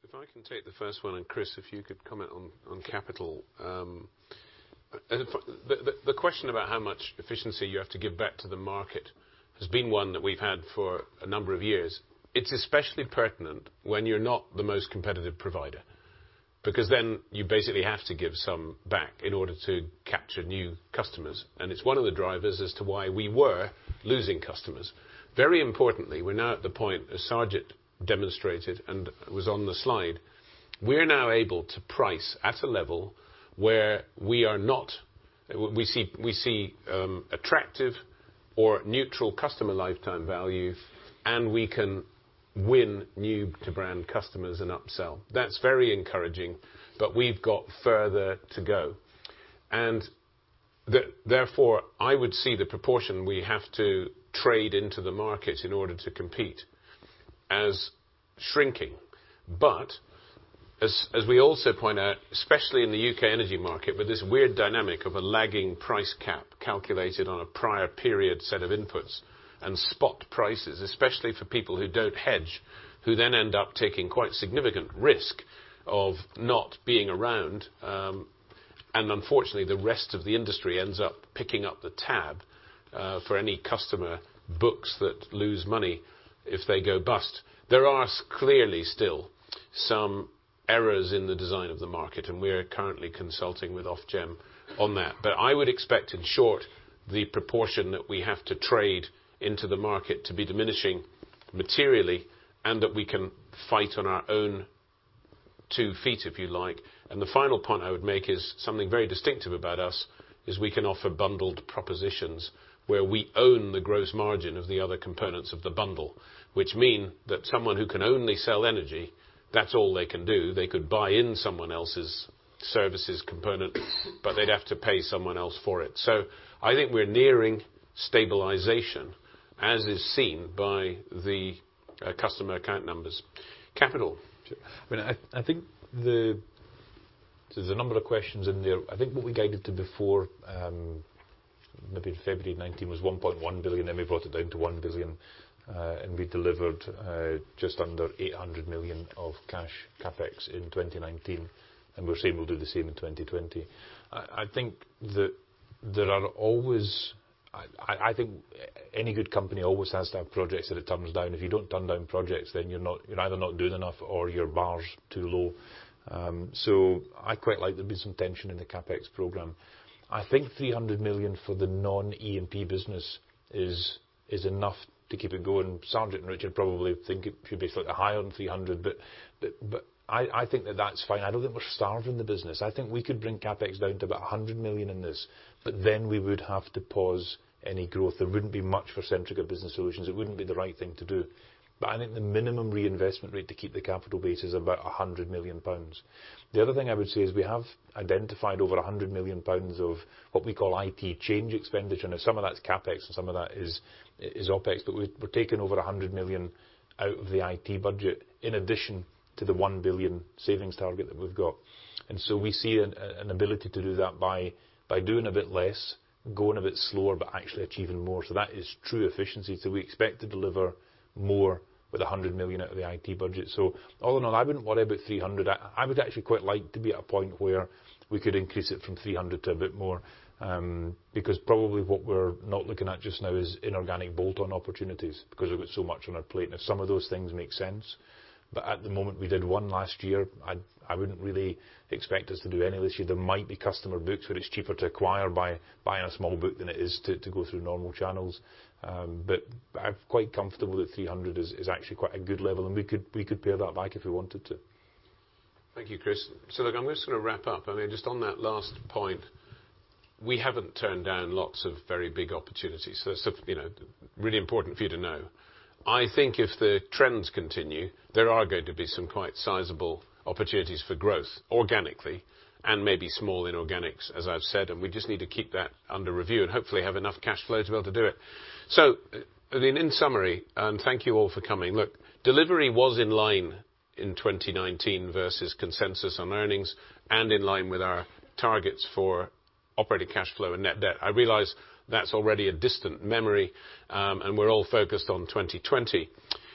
If I can take the first one, and Chris, if you could comment on capital. The question about how much efficiency you have to give back to the market has been one that we've had for a number of years. It's especially pertinent when you're not the most competitive provider, because then you basically have to give some back in order to capture new customers. It's one of the drivers as to why we were losing customers. Very importantly, we're now at the point, as Sarwjit demonstrated and was on the slide, we're now able to price at a level where we see attractive or neutral customer lifetime value, and we can win new-to-brand customers and upsell. That's very encouraging, but we've got further to go. Therefore, I would see the proportion we have to trade into the market in order to compete as shrinking. As we also point out, especially in the U.K. energy market, with this weird dynamic of a lagging price cap calculated on a prior period set of inputs and spot prices. Especially for people who don't hedge, who then end up taking quite significant risk of not being around. Unfortunately, the rest of the industry ends up picking up the tab for any customer books that lose money if they go bust. There are clearly still some errors in the design of the market, and we are currently consulting with Ofgem on that. I would expect, in short, the proportion that we have to trade into the market to be diminishing materially, and that we can fight on our own two feet, if you like. The final point I would make is something very distinctive about us, is we can offer bundled propositions where we own the gross margin of the other components of the bundle. Which mean that someone who can only sell energy, that's all they can do. They could buy in someone else's services component, but they'd have to pay someone else for it. I think we're nearing stabilization, as is seen by the customer account numbers. Capital. I think there's a number of questions in there. I think what we guided to before, maybe February 2019, was 1.1 billion, then we brought it down to 1 billion, and we delivered just under 800 million of cash CapEx in 2019, and we're saying we'll do the same in 2020. I think any good company always has to have projects that it turns down. If you don't turn down projects, then you're either not doing enough or your bar's too low. I quite like there be some tension in the CapEx program. I think 300 million for the non-E&P business is enough to keep it going. Sarwjit and Richard probably think it should be slightly higher than 300, but I think that that's fine. I don't think we're starving the business. I think we could bring CapEx down to about 100 million in this, but then we would have to pause any growth. There wouldn't be much for Centrica Business Solutions. It wouldn't be the right thing to do. I think the minimum reinvestment rate to keep the capital base is about 100 million pounds. The other thing I would say is we have identified over 100 million pounds of what we call IT change expenditure. Now some of that's CapEx and some of that is OpEx, but we're taking over 100 million out of the IT budget in addition to the 1 billion savings target that we've got. We see an ability to do that by doing a bit less, going a bit slower, but actually achieving more. That is true efficiency. We expect to deliver more with 100 million out of the IT budget. All in all, I wouldn't worry about 300. I would actually quite like to be at a point where we could increase it from 300 to a bit more. Because probably what we're not looking at just now is inorganic bolt-on opportunities, because we've got so much on our plate. Some of those things make sense, but at the moment, we did one last year, I wouldn't really expect us to do any this year. There might be customer books where it's cheaper to acquire by buying a small book than it is to go through normal channels. I'm quite comfortable that 300 is actually quite a good level, and we could pair that back if we wanted to. Thank you, Chris. Look, I'm just going to wrap up. Just on that last point, we haven't turned down lots of very big opportunities. That's really important for you to know. I think if the trends continue, there are going to be some quite sizable opportunities for growth organically and maybe small inorganics, as I've said, and we just need to keep that under review and hopefully have enough cash flow to be able to do it. In summary, thank you all for coming. Look, delivery was in line in 2019 versus consensus on earnings and in line with our targets for operating cash flow and net debt. I realize that's already a distant memory, and we're all focused on 2020.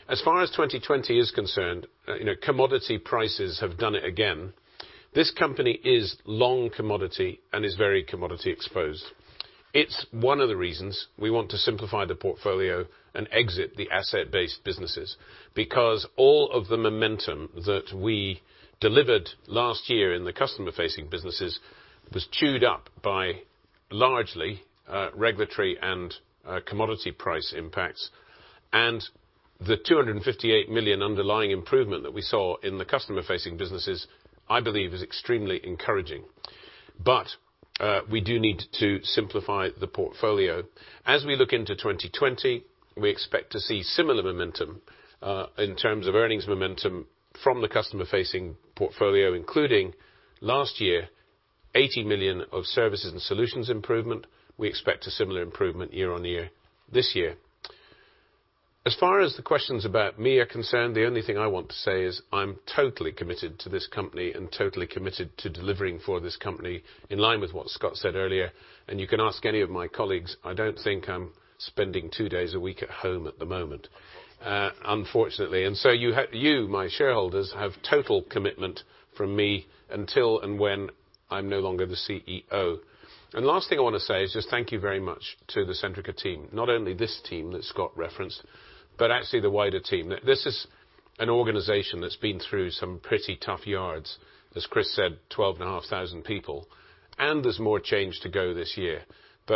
As far as 2020 is concerned, commodity prices have done it again. This company is long commodity and is very commodity exposed. It's one of the reasons we want to simplify the portfolio and exit the asset-based businesses. All of the momentum that we delivered last year in the customer-facing businesses was chewed up by, largely, regulatory and commodity price impacts. The 258 million underlying improvement that we saw in the customer-facing businesses, I believe is extremely encouraging. We do need to simplify the portfolio. As we look into 2020, we expect to see similar momentum, in terms of earnings momentum from the customer-facing portfolio, including last year, 80 million of services and solutions improvement. We expect a similar improvement year-over-year this year. As far as the questions about me are concerned, the only thing I want to say is I'm totally committed to this company and totally committed to delivering for this company, in line with what Scott said earlier. You can ask any of my colleagues, I don't think I'm spending two days a week at home at the moment, unfortunately. So you, my shareholders, have total commitment from me until and when I'm no longer the CEO. Last thing I want to say is just thank you very much to the Centrica team. Not only this team that Scott referenced, but actually the wider team. This is an organization that's been through some pretty tough yards. As Chris said, 12,500 people. There's more change to go this year.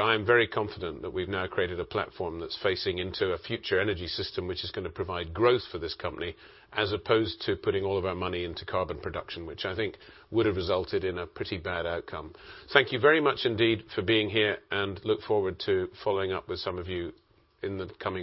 I'm very confident that we've now created a platform that's facing into a future energy system which is going to provide growth for this company, as opposed to putting all of our money into carbon production, which I think would have resulted in a pretty bad outcome. Thank you very much indeed for being here, and look forward to following up with some of you in the coming weeks.